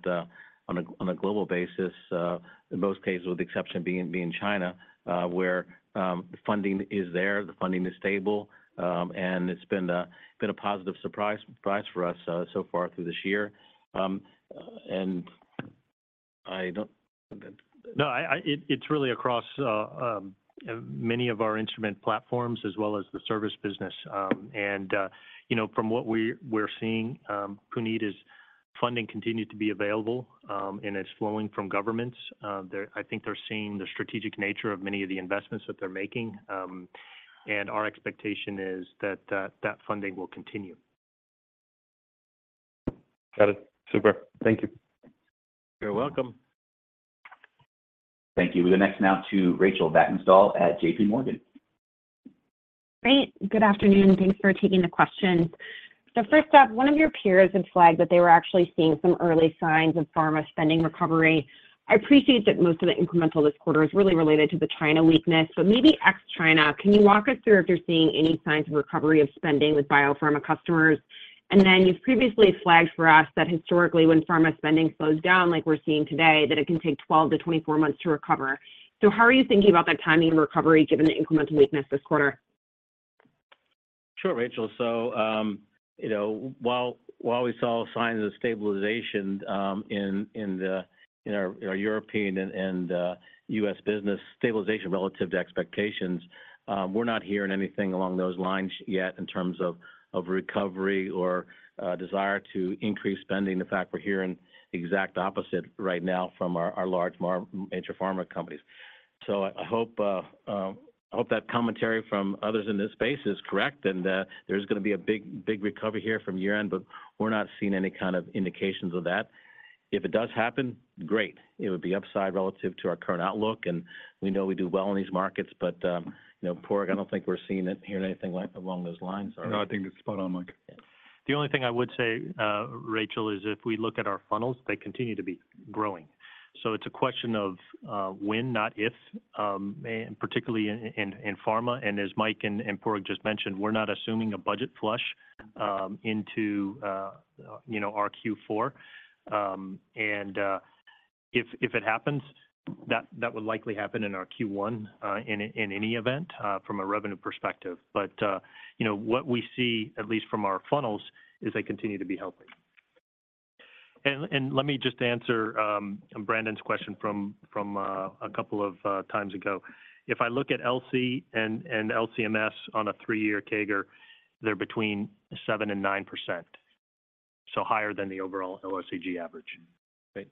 C: on a global basis, in most cases, with the exception being, being China, where the funding is there, the funding is stable. It's been a positive surprise, surprise for us, so far through this year. I don't-
D: No, I, I, it, it's really across many of our instrument platforms as well as the service business. You know, from what we-we're seeing, Puneet, is funding continued to be available, and it's flowing from governments. I think they're seeing the strategic nature of many of the investments that they're making. Our expectation is that funding will continue.
L: Got it. Super. Thank you.
D: You're welcome.
A: Thank you. We're next now to Rachel Vatnsdal at J.P. Morgan.
N: Great. Good afternoon. Thanks for taking the questions. First off, one of your peers had flagged that they were actually seeing some early signs of pharma spending recovery. I appreciate that most of the incremental this quarter is really related to the China weakness, but maybe ex-China, can you walk us through if you're seeing any signs of recovery of spending with biopharma customers? Then you've previously flagged for us that historically, when pharma spending slows down, like we're seeing today, that it can take 12 to 24 months to recover. How are you thinking about that timing and recovery, given the incremental weakness this quarter?
C: Sure, Rachel. You know, while, while we saw signs of stabilization, in, in the, in our, in our European and, and US business stabilization relative to expectations, we're not hearing anything along those lines yet in terms of, of recovery or desire to increase spending. In fact, we're hearing the exact opposite right now from our, our large mar-- major pharma companies. I hope, I hope that commentary from others in this space is correct, and there's gonna be a big, big recovery here from year-end, but we're not seeing any kind of indications of that. If it does happen, great! It would be upside relative to our current outlook, and we know we do well in these markets, but, you know, Padraig, I don't think we're seeing it-- hearing anything like along those lines.
M: No, I think it's spot on, Mike.
D: The only thing I would say, Rachel Vatnsdal, is if we look at our funnels, they continue to be growing. It's a question of when, not if, and particularly in pharma, and as Mike McMullen and Padraig McDonnell just mentioned, we're not assuming a budget flush, into, you know, our Q4. If it happens, that would likely happen in our Q1, in any event, from a revenue perspective. What we see, at least from our funnels, is they continue to be healthy. Let me just answer Brandon Couillard's question from a couple of times ago. If I look at LC and LC-MS on a 3-year CAGR, they're between 7% and 9%, so higher than the overall LSAG average.
C: Great.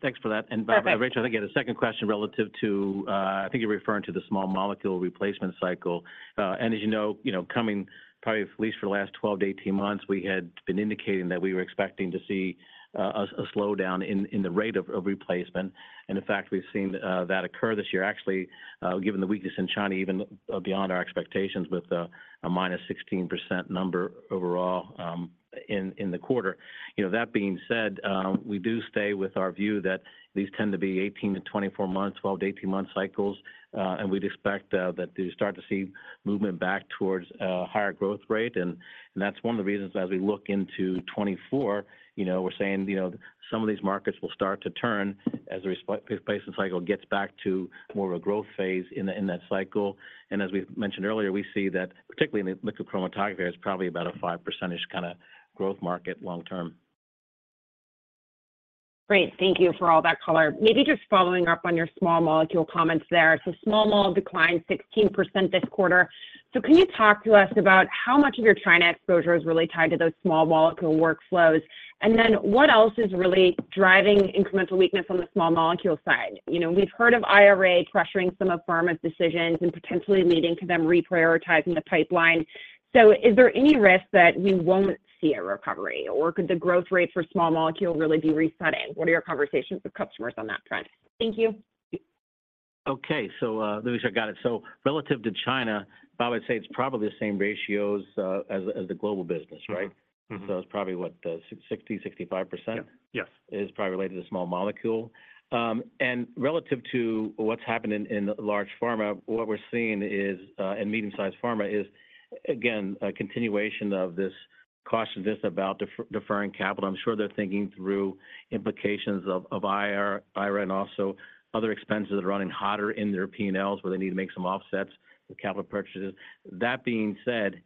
C: Thanks for that.
N: Okay.
C: Rachel, I think you had a second question relative to, I think you're referring to the small molecule replacement cycle. As you know, you know, coming probably at least for the last 12-18 months, we had been indicating that we were expecting to see a slowdown in the rate of replacement. In fact, we've seen that occur this year, actually, given the weakness in China, even beyond our expectations, with a minus 16% number overall in the quarter. You know, that being said, we do stay with our view that these tend to be 18-24 months, 12-18 month cycles. We'd expect that to start to see movement back towards a higher growth rate, and that's one of the reasons as we look into 2024, you know, we're saying, you know, some of these markets will start to turn as the replacement cycle gets back to more of a growth phase in that cycle. As we've mentioned earlier, we see that particularly in the liquid chromatography, it's probably about a 5% kind of growth market long term.
N: Great. Thank you for all that color. Maybe just following up on your small molecule comments there. Small mole declined 16% this quarter. Can you talk to us about how much of your China exposure is really tied to those small molecule workflows? What else is really driving incremental weakness on the small molecule side? You know, we've heard of IRA pressuring some of pharma's decisions and potentially leading to them reprioritizing the pipeline. Is there any risk that we won't see a recovery, or could the growth rate for small molecule really be resetting? What are your conversations with customers on that trend? Thank you.
C: Okay. let me see. I got it. relative to China, Bob, I'd say it's probably the same ratios, as, as the global business, right?
D: Mm-hmm.
C: It's probably, what, 60, 65%?
D: Yeah. Yes.
C: Is probably related to small molecule. Relative to what's happened in, in large pharma, what we're seeing is, in medium-sized pharma is, again, a continuation of this cautiousness about deferring capital. I'm sure they're thinking through implications of IRA and also other expenses that are running hotter in their P&Ls, where they need to make some offsets with capital purchases. That being said.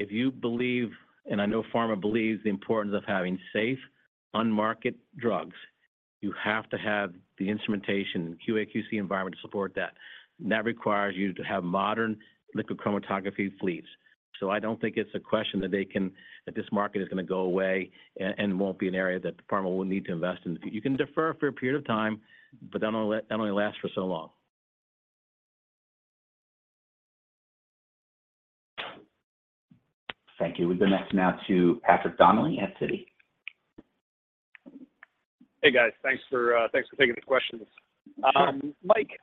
C: If you believe, and I know pharma believes, the importance of having safe, on-market drugs, you have to have the instrumentation and QA/QC environment to support that. That requires you to have modern liquid chromatography fleets. I don't think it's a question that they can that this market is going to go away and, and won't be an area that pharma will need to invest in. You can defer for a period of time, but that only, that only lasts for so long.
A: Thank you. We'll go next now to Patrick Donnelly at Citi.
O: Hey, guys. Thanks for, thanks for taking the questions.
C: Sure.
O: Mike,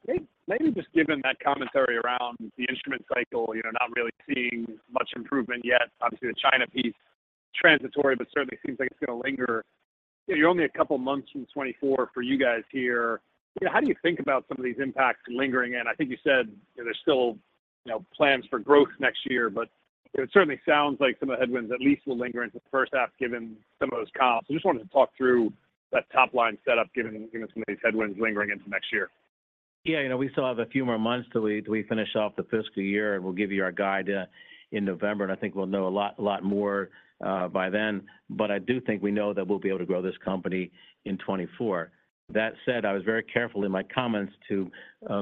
O: maybe just given that commentary around the instrument cycle, you know, not really seeing much improvement yet. Obviously, the China piece, transitory, but certainly seems like it's going to linger. You're only a couple of months into 2024 for you guys here. You know, how do you think about some of these impacts lingering? I think you said, you know, there's still, you know, plans for growth next year, but it certainly sounds like some of the headwinds at least will linger into the first half, given some of those comps. I just wanted to talk through that top-line setup, given, given some of these headwinds lingering into next year.
C: Yeah, you know, we still have a few more months till we, till we finish off the fiscal year. We'll give you our guide in November, I think we'll know a lot, a lot more by then. I do think we know that we'll be able to grow this company in 2024. That said, I was very careful in my comments to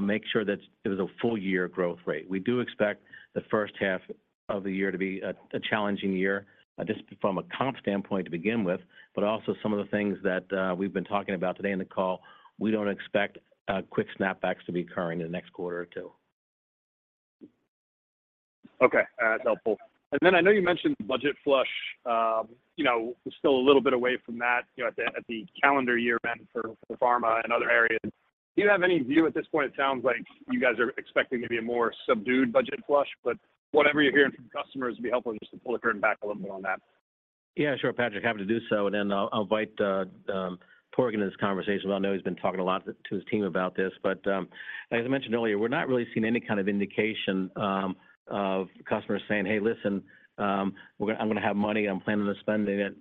C: make sure that it was a full-year growth rate. We do expect the first half of the year to be a, a challenging year, just from a comp standpoint to begin with, but also some of the things that we've been talking about today on the call, we don't expect quick snapbacks to be occurring in the next quarter or 2.
O: Okay. That's helpful. Then I know you mentioned budget flush. You know, we're still a little bit away from that, you know, at the, at the calendar year end for, for pharma and other areas. Do you have any view at this point? It sounds like you guys are expecting maybe a more subdued budget flush, but whatever you're hearing from customers, it'd be helpful just to pull the curtain back a little more on that.
C: Sure, Patrick. Happy to do so, and then I'll, I'll invite Torger in this conversation. I know he's been talking a lot to, to his team about this. As I mentioned earlier, we're not really seeing any kind of indication of customers saying, "Hey, listen, we're gonna-- I'm going to have money and I'm planning on spending it,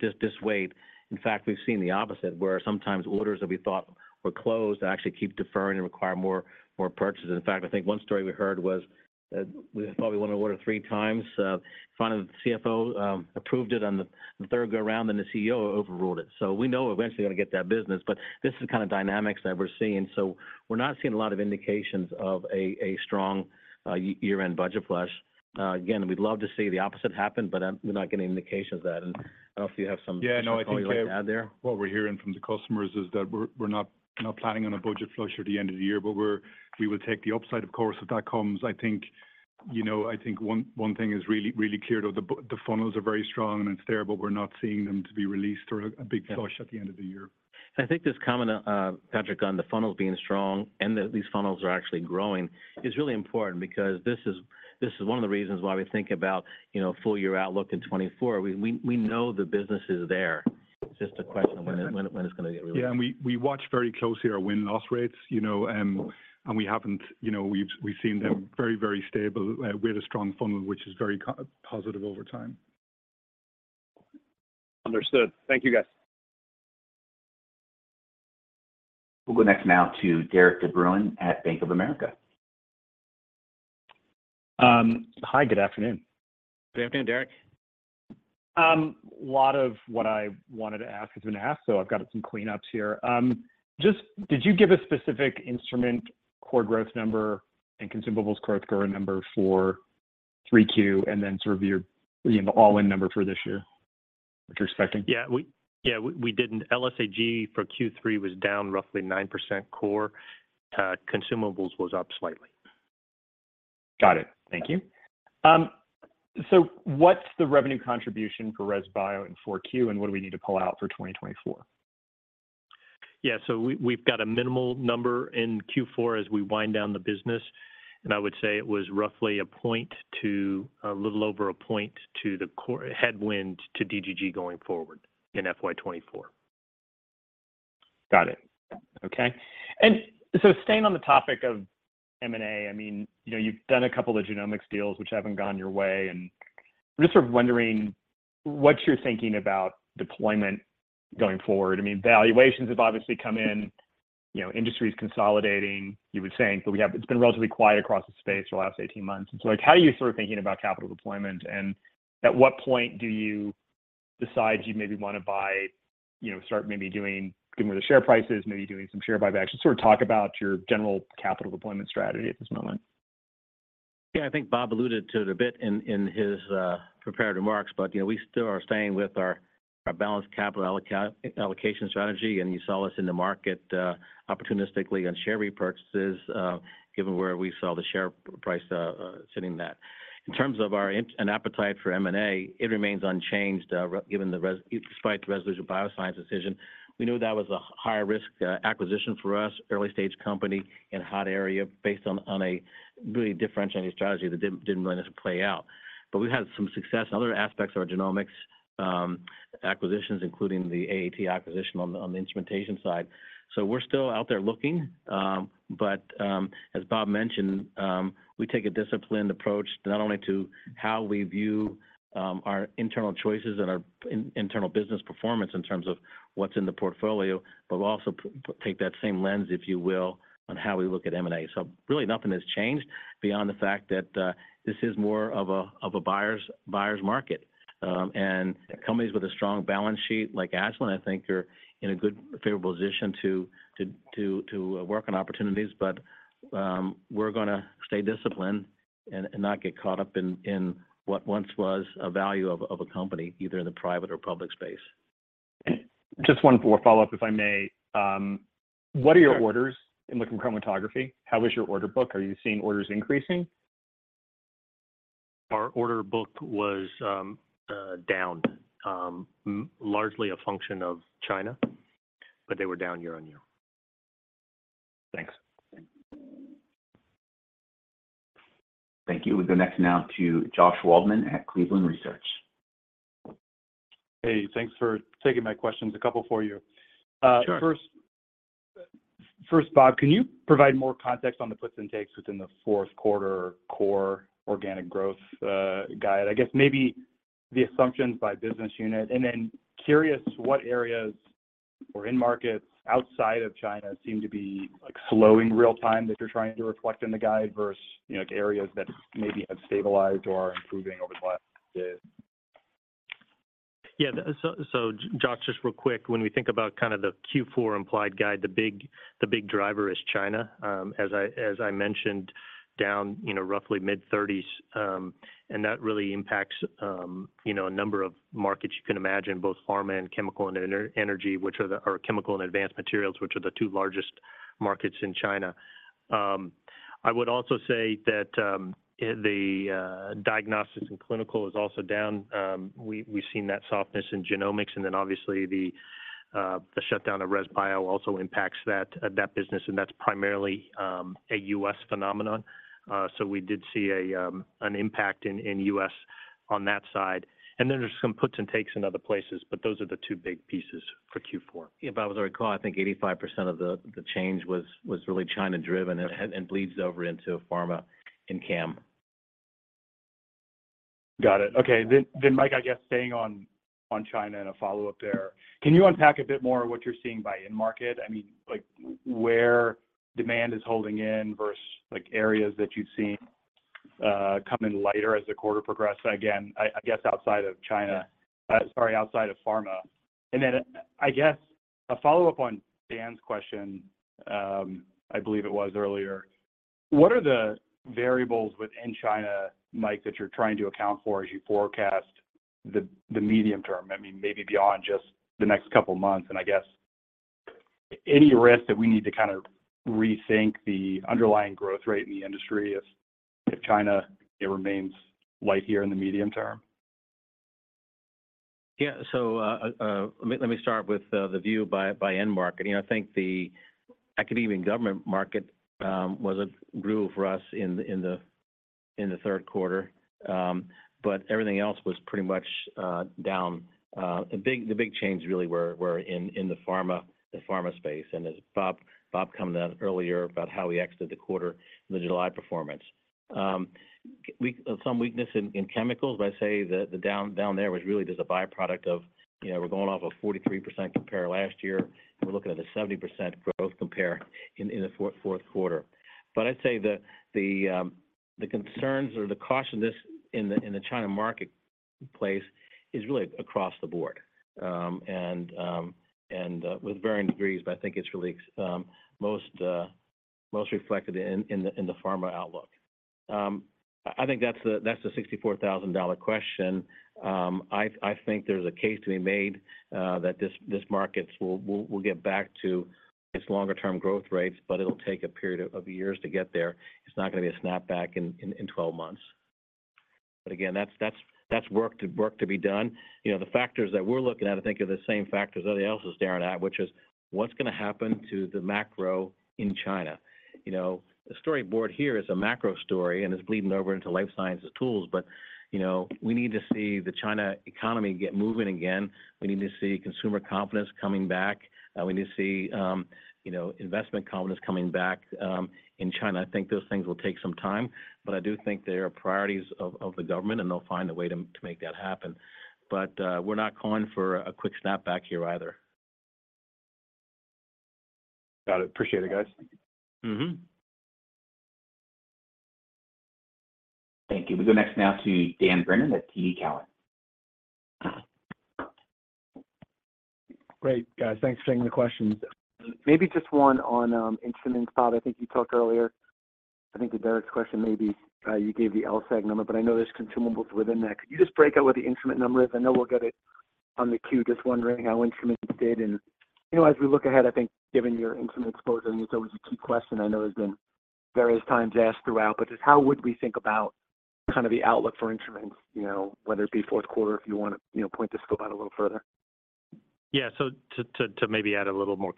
C: just, just wait." In fact, we've seen the opposite, where sometimes orders that we thought were closed actually keep deferring and require more, more purchases. In fact, I think one story we heard was that we thought we won an order three times. Finally, the CFO approved it on the, the third go-round, then the CEO overruled it. We know we're eventually going to get that business, but this is the kind of dynamics that we're seeing. We're not seeing a lot of indications of a strong year-end budget flush. Again, we'd love to see the opposite happen, but we're not getting any indication of that. I don't know if you have some...
M: Yeah, no, I think we-
C: thoughts you'd like to add there?
M: What we're hearing from the customers is that we're not planning on a budget flush at the end of the year, but we will take the upside, of course, if that comes. I think, you know, I think one, one thing is really, really clear, though, the funnels are very strong and it's there, but we're not seeing them to be released or a, a big flush.
C: Yeah
M: at the end of the year.
C: I think this comment, Patrick, on the funnels being strong and that these funnels are actually growing, is really important because this is, this is one of the reasons why we think about, you know, full-year outlook in 2024. We, we, we know the business is there. It's just a question of when it, when it, when it's going to get really.
M: Yeah, we, we watch very closely our win-loss rates, you know, and we haven't, you know, we've, we've seen them very, very stable. We had a strong funnel, which is very positive over time.
O: Understood. Thank you, guys.
A: We'll go next now to Derik de Bruin at Bank of America.
P: Hi, good afternoon.
C: Good afternoon, Derek.
P: A lot of what I wanted to ask has been asked, so I've got some cleanups here. Just did you give a specific instrument core growth number and consumables growth core number for 3Q, and then sort of your, you know, all-in number for this year, what you're expecting?
C: Yeah, we didn't. LSAG for Q3 was down roughly 9% core. Consumables was up slightly.
P: Got it. Thank you. What's the revenue contribution for ResBio in 4Q, and what do we need to pull out for 2024?
C: Yeah, we've got a minimal number in Q4 as we wind down the business, and I would say it was roughly 1 point to a little over 1 point headwind to DGG going forward in FY2024.
P: Got it. Okay. So staying on the topic of M&A, I mean, you know, you've done a couple of genomics deals, which haven't gone your way, and I'm just sort of wondering what you're thinking about deployment going forward. I mean, valuations have obviously come in, you know, industry is consolidating, you were saying, but it's been relatively quiet across the space for the last 18 months. So, like, how are you sort of thinking about capital deployment, and at what point do you decide you maybe want to buy, you know, start maybe doing, getting rid of the share prices, maybe doing some share buybacks? Just sort of talk about your general capital deployment strategy at this moment.
C: Yeah, I think Bob alluded to it a bit in, in his prepared remarks, but, you know, we still are staying with our, our balanced capital allocation strategy, and you saw us in the market opportunistically on share repurchases given where we saw the share price sitting at. In terms of our and appetite for M&A, it remains unchanged given the despite the Resolution Bioscience decision. We knew that was a higher risk acquisition for us, early-stage company in a hot area based on, on a really differentiating strategy that didn't, didn't really play out. We've had some success in other aspects of our genomics acquisitions, including the AAT acquisition on the, on the instrumentation side. We're still out there looking, but as Bob mentioned, we take a disciplined approach, not only to how we view our internal choices and our internal business performance in terms of what's in the portfolio, but we'll also take that same lens, if you will, on how we look at M&A. Really nothing has changed beyond the fact that this is more of a, of a buyer's, buyer's market. Companies with a strong balance sheet, like Agilent, I think are in a good, favorable position to work on opportunities. We're gonna stay disciplined, not get caught up in what once was a value of a company, either in the private or public space.
Q: Just one more follow-up, if I may. What are your orders in liquid chromatography? How is your order book? Are you seeing orders increasing?
D: Our order book was down. Largely a function of China, but they were down year-on-year.
Q: Thanks.
A: Thank you. We go next now to Josh Waldman at Cleveland Research.
R: Hey, thanks for taking my questions. A couple for you.
C: Sure.
R: First, first, Bob, can you provide more context on the puts and takes within the fourth quarter core organic growth guide? I guess maybe the assumptions by business unit. Then curious what areas or end markets outside of China seem to be, like, slowing real time that you're trying to reflect in the guide versus, you know, areas that maybe have stabilized or are improving over the last days?
D: Yeah. Josh, just real quick, when we think about kind of the Q4 implied guide, the big, the big driver is China. As I, as I mentioned, down, you know, roughly mid-thirties, and that really impacts, you know, a number of markets you can imagine, both pharma and chemical and energy, or chemical and advanced materials, which are the 2 largest markets in China. I would also say that, the diagnostics and clinical is also down. We, we've seen that softness in genomics, and then obviously the shutdown of ResBio also impacts that business, and that's primarily a US phenomenon. We did see a, an impact in, in U.S. on that side, and then there's some puts and takes in other places, but those are the two big pieces for Q4.
C: If I was to recall, I think 85% of the, the change was, was really China driven and, and bleeds over into pharma and CAM.
R: Got it. Okay. Mike, I guess staying on, on China and a follow-up there, can you unpack a bit more what you're seeing by end market? I mean, like, where demand is holding in versus, like, areas that you've seen come in lighter as the quarter progressed. Again, I, I guess outside of China.
C: Yeah.
R: Sorry, outside of pharma. Then, I guess, a follow-up on Dan's question, I believe it was earlier. What are the variables within China, Mike, that you're trying to account for as you forecast the, the medium term? I mean, maybe beyond just the next couple of months, and I guess any risk that we need to kind of rethink the underlying growth rate in the industry if, if China, it remains light here in the medium term?
C: Yeah. Let me, let me start with the view by, by end market. You know, I think the academic and government market was a groove for us in the, in the, in the third quarter. Everything else was pretty much down. The big, the big chains really were, were in, in the pharma, the pharma space, and as Bob, Bob commented on earlier about how we exited the quarter with a live performance. We-- Some weakness in, in chemicals, but I'd say the, the down, down there was really just a by-product of, you know, we're going off a 43% compare last year, and we're looking at a 70% growth compare in, in the fourth quarter. I'd say the, the, the concerns or the cautiousness in the, in the China market place is really across the board, and, and, with varying degrees, but I think it's really, most, most reflected in, in the, in the pharma outlook. I think that's the, that's the $64,000 question. I, I think there's a case to be made, that this, this markets will, will, will get back to its longer term growth rates, but it'll take a period of, of years to get there. It's not gonna be a snapback in, in, in 12 months. Again, that's, that's, that's work to, work to be done. You know, the factors that we're looking at, I think, are the same factors everybody else is staring at, which is what's gonna happen to the macro in China? You know, the storyboard here is a macro story, and it's bleeding over into life sciences tools, but, you know, we need to see the China economy get moving again. We need to see consumer confidence coming back. We need to see, you know, investment confidence coming back in China. I think those things will take some time, but I do think they are priorities of, of the government, and they'll find a way to, to make that happen. We're not calling for a quick snapback here either.
R: Got it. Appreciate it, guys.
C: Mm-hmm.
A: Thank you. We go next now to Dan Brennan at TD Cowen.
Q: Great, guys. Thanks for taking the questions. Maybe just one on instruments. Bob, I think you talked earlier, I think to Derek's question, maybe, you gave the LSEG number, but I know there's consumables within that. Could you just break out what the instrument number is? I know we'll get it on the queue, just wondering how instruments did. You know, as we look ahead, I think given your instrument exposure, I mean, it's always a key question I know has been various times asked throughout, but just how would we think about kind of the outlook for instruments? You know, whether it be fourth quarter, if you wanna, you know, point the scope out a little further.
D: Yeah. to, to, to maybe add a little more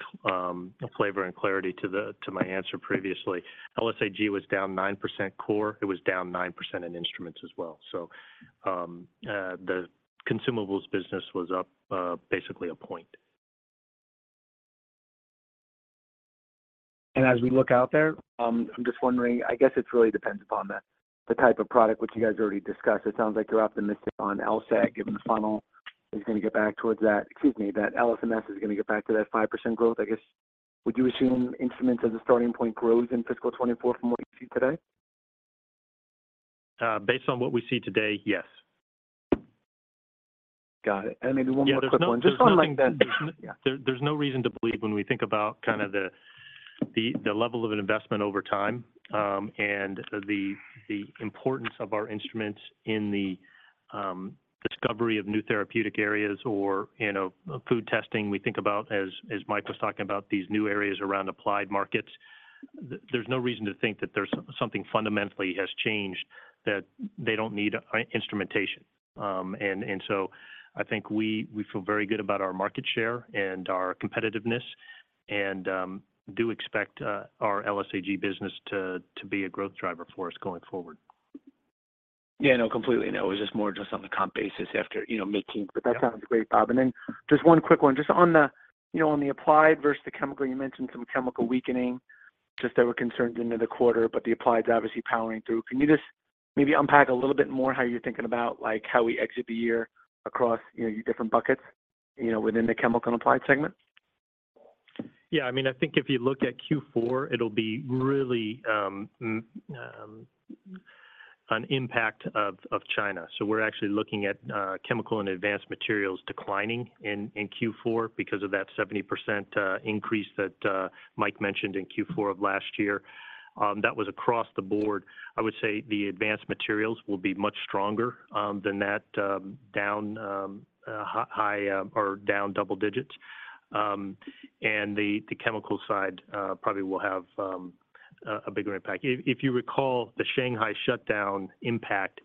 D: flavor and clarity to the, to my answer previously, LSAG was down 9% core. It was down 9% in instruments as well. the consumables business was up basically one point.
Q: As we look out there, I'm just wondering, I guess it really depends upon the, the type of product which you guys already discussed. It sounds like you're optimistic on LSEG, given the funnel, is gonna get back towards excuse me, that LC-MS is gonna get back to that 5% growth. I guess, would you assume instruments as a starting point grows in fiscal 2024 from what you see today?
D: Based on what we see today, yes.
Q: Got it. Maybe one more quick one, just one like that.
D: There's, there's no reason to believe when we think about kind of the, the, the level of investment over time, and the, the importance of our instruments in the discovery of new therapeutic areas or, you know, food testing. We think about as, as Mike was talking about, these new areas around applied markets. There's no reason to think that there's something fundamentally has changed, that they don't need instrumentation. So I think we, we feel very good about our market share and our competitiveness, and do expect our LSAG business to, to be a growth driver for us going forward.
Q: Yeah, no, completely. It was just more just on the comp basis after, you know, making- That sounds great, Bob. Then just one quick one, just on the, you know, on the applied versus the chemical, you mentioned some chemical weakening, just there were concerns into the quarter, but the applied is obviously powering through. Can you just maybe unpack a little bit more how you're thinking about, like, how we exit the year across, you know, your different buckets, you know, within the chemical and applied segment?
D: Yeah. I mean, I think if you look at Q4, it'll be really an impact of China. We're actually looking at chemical and advanced materials declining in Q4 because of that 70% increase that Mike mentioned in Q4 of last year. That was across the board. I would say the advanced materials will be much stronger than that, down high or down double digits. The chemical side probably will have a bigger impact. If you recall, the Shanghai shutdown impact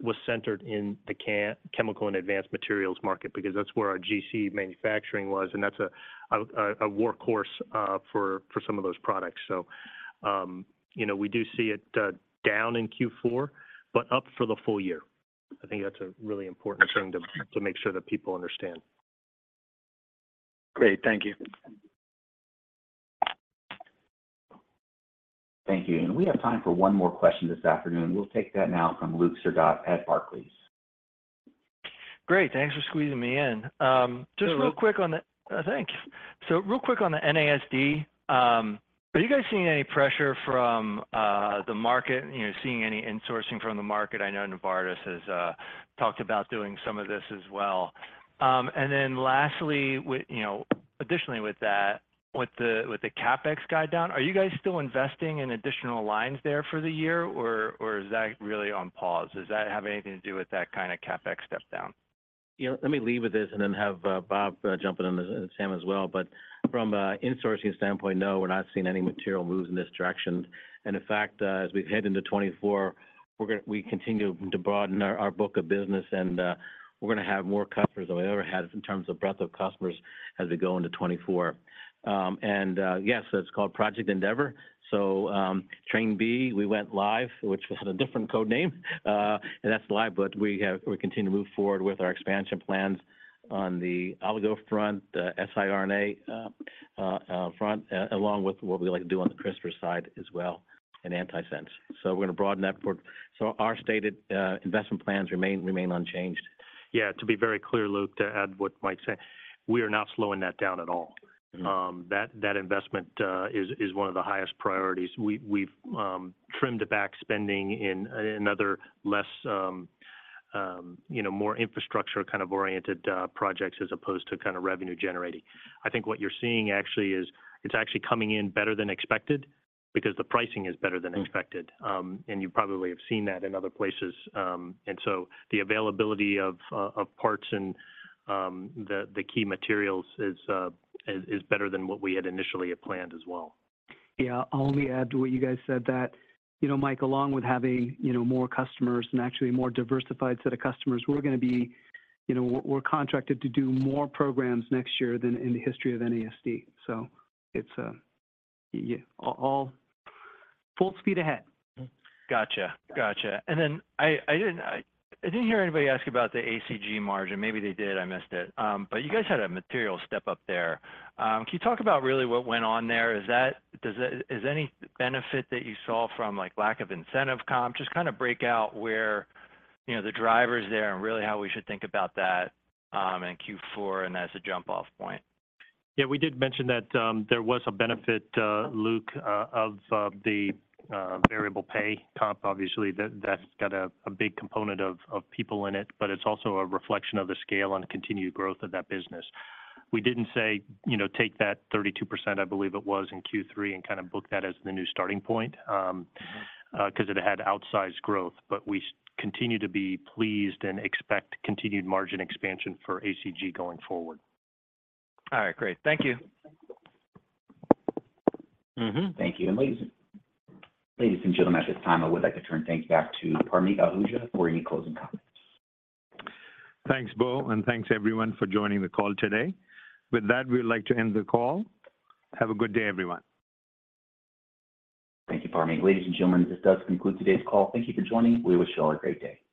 D: was centered in the chemical and advanced materials market because that's where our GC manufacturing was, and that's a workhorse for some of those products. You know, we do see it down in Q4, but up for the full year. I think that's a really important thing to, to make sure that people understand.
Q: Great. Thank you.
A: Thank you. We have time for one more question this afternoon. We'll take that now from Luke Sergott at Barclays.
S: Great. Thanks for squeezing me in. Just real quick on the-
A: Sure.
S: Thank you. Real quick on the NASD, are you guys seeing any pressure from the market, seeing any insourcing from the market? I know Novartis has talked about doing some of this as well. And then lastly, additionally with that, with the, with the CapEx guide down, are you guys still investing in additional lines there for the year, or, or is that really on pause? Does that have anything to do with that kind of CapEx step down?
C: You know, let me lead with this and then have Bob jump in on this, and Sam as well. From a insourcing standpoint, no, we're not seeing any material moves in this direction. In fact, as we head into 2024, we're gonna continue to broaden our book of business, and we're gonna have more customers than we've ever had in terms of breadth of customers as we go into 2024. Yes, it's called Project Endeavor. Train B, we went live, which was a different code name, and that's live. We continue to move forward with our expansion plans on the oligo front, the siRNA front, along with what we like to do on the CRISPR side as well, and antisense. We're gonna broaden that for... Our stated investment plans remain, remain unchanged.
D: Yeah, to be very clear, Luke, to add what Mike said, we are not slowing that down at all.
C: Mm-hmm.
D: That, that investment is, is one of the highest priorities. We've, we've trimmed back spending in another less, you know, more infrastructure kind of oriented projects as opposed to kind of revenue generating. I think what you're seeing actually is it's actually coming in better than expected because the pricing is better than expected.
C: Mm-hmm.
D: You probably have seen that in other places. So the availability of parts and the, the key materials is, is, is better than what we had initially had planned as well.
Q: Yeah. I'll only add to what you guys said, that, you know, Mike, along with having, you know, more customers and actually a more diversified set of customers, we're gonna be, you know, we're, we're contracted to do more programs next year than in the history of NASD. It's, yeah, all full speed ahead.
S: Gotcha. Gotcha. I didn't hear anybody ask you about the ACG margin. Maybe they did, I missed it. You guys had a material step up there. Can you talk about really what went on there? Is that, Is any benefit that you saw from like, lack of incentive comp? Just kind of break out where, you know, the drivers there and really how we should think about that in Q4 and as a jump-off point.
D: Yeah, we did mention that there was a benefit, Luke, of the variable pay comp. Obviously, that's got a big component of people in it, but it's also a reflection of the scale and continued growth of that business. We didn't say, you know, take that 32%, I believe it was, in Q3, and kind of book that as the new starting point.
S: Mm-hmm...
D: 'cause it had outsized growth. We continue to be pleased and expect continued margin expansion for ACG going forward.
S: All right, great. Thank you.
C: Mm-hmm.
A: Thank you. Ladies and gentlemen, at this time, I would like to turn things back to Parmeet Ahuja for any closing comments.
B: Thanks, Bob, and thanks everyone for joining the call today. With that, we'd like to end the call. Have a good day, everyone.
A: Thank you, Parmeet. Ladies and gentlemen, this does conclude today's call. Thank you for joining. We wish you all a great day. Bye-bye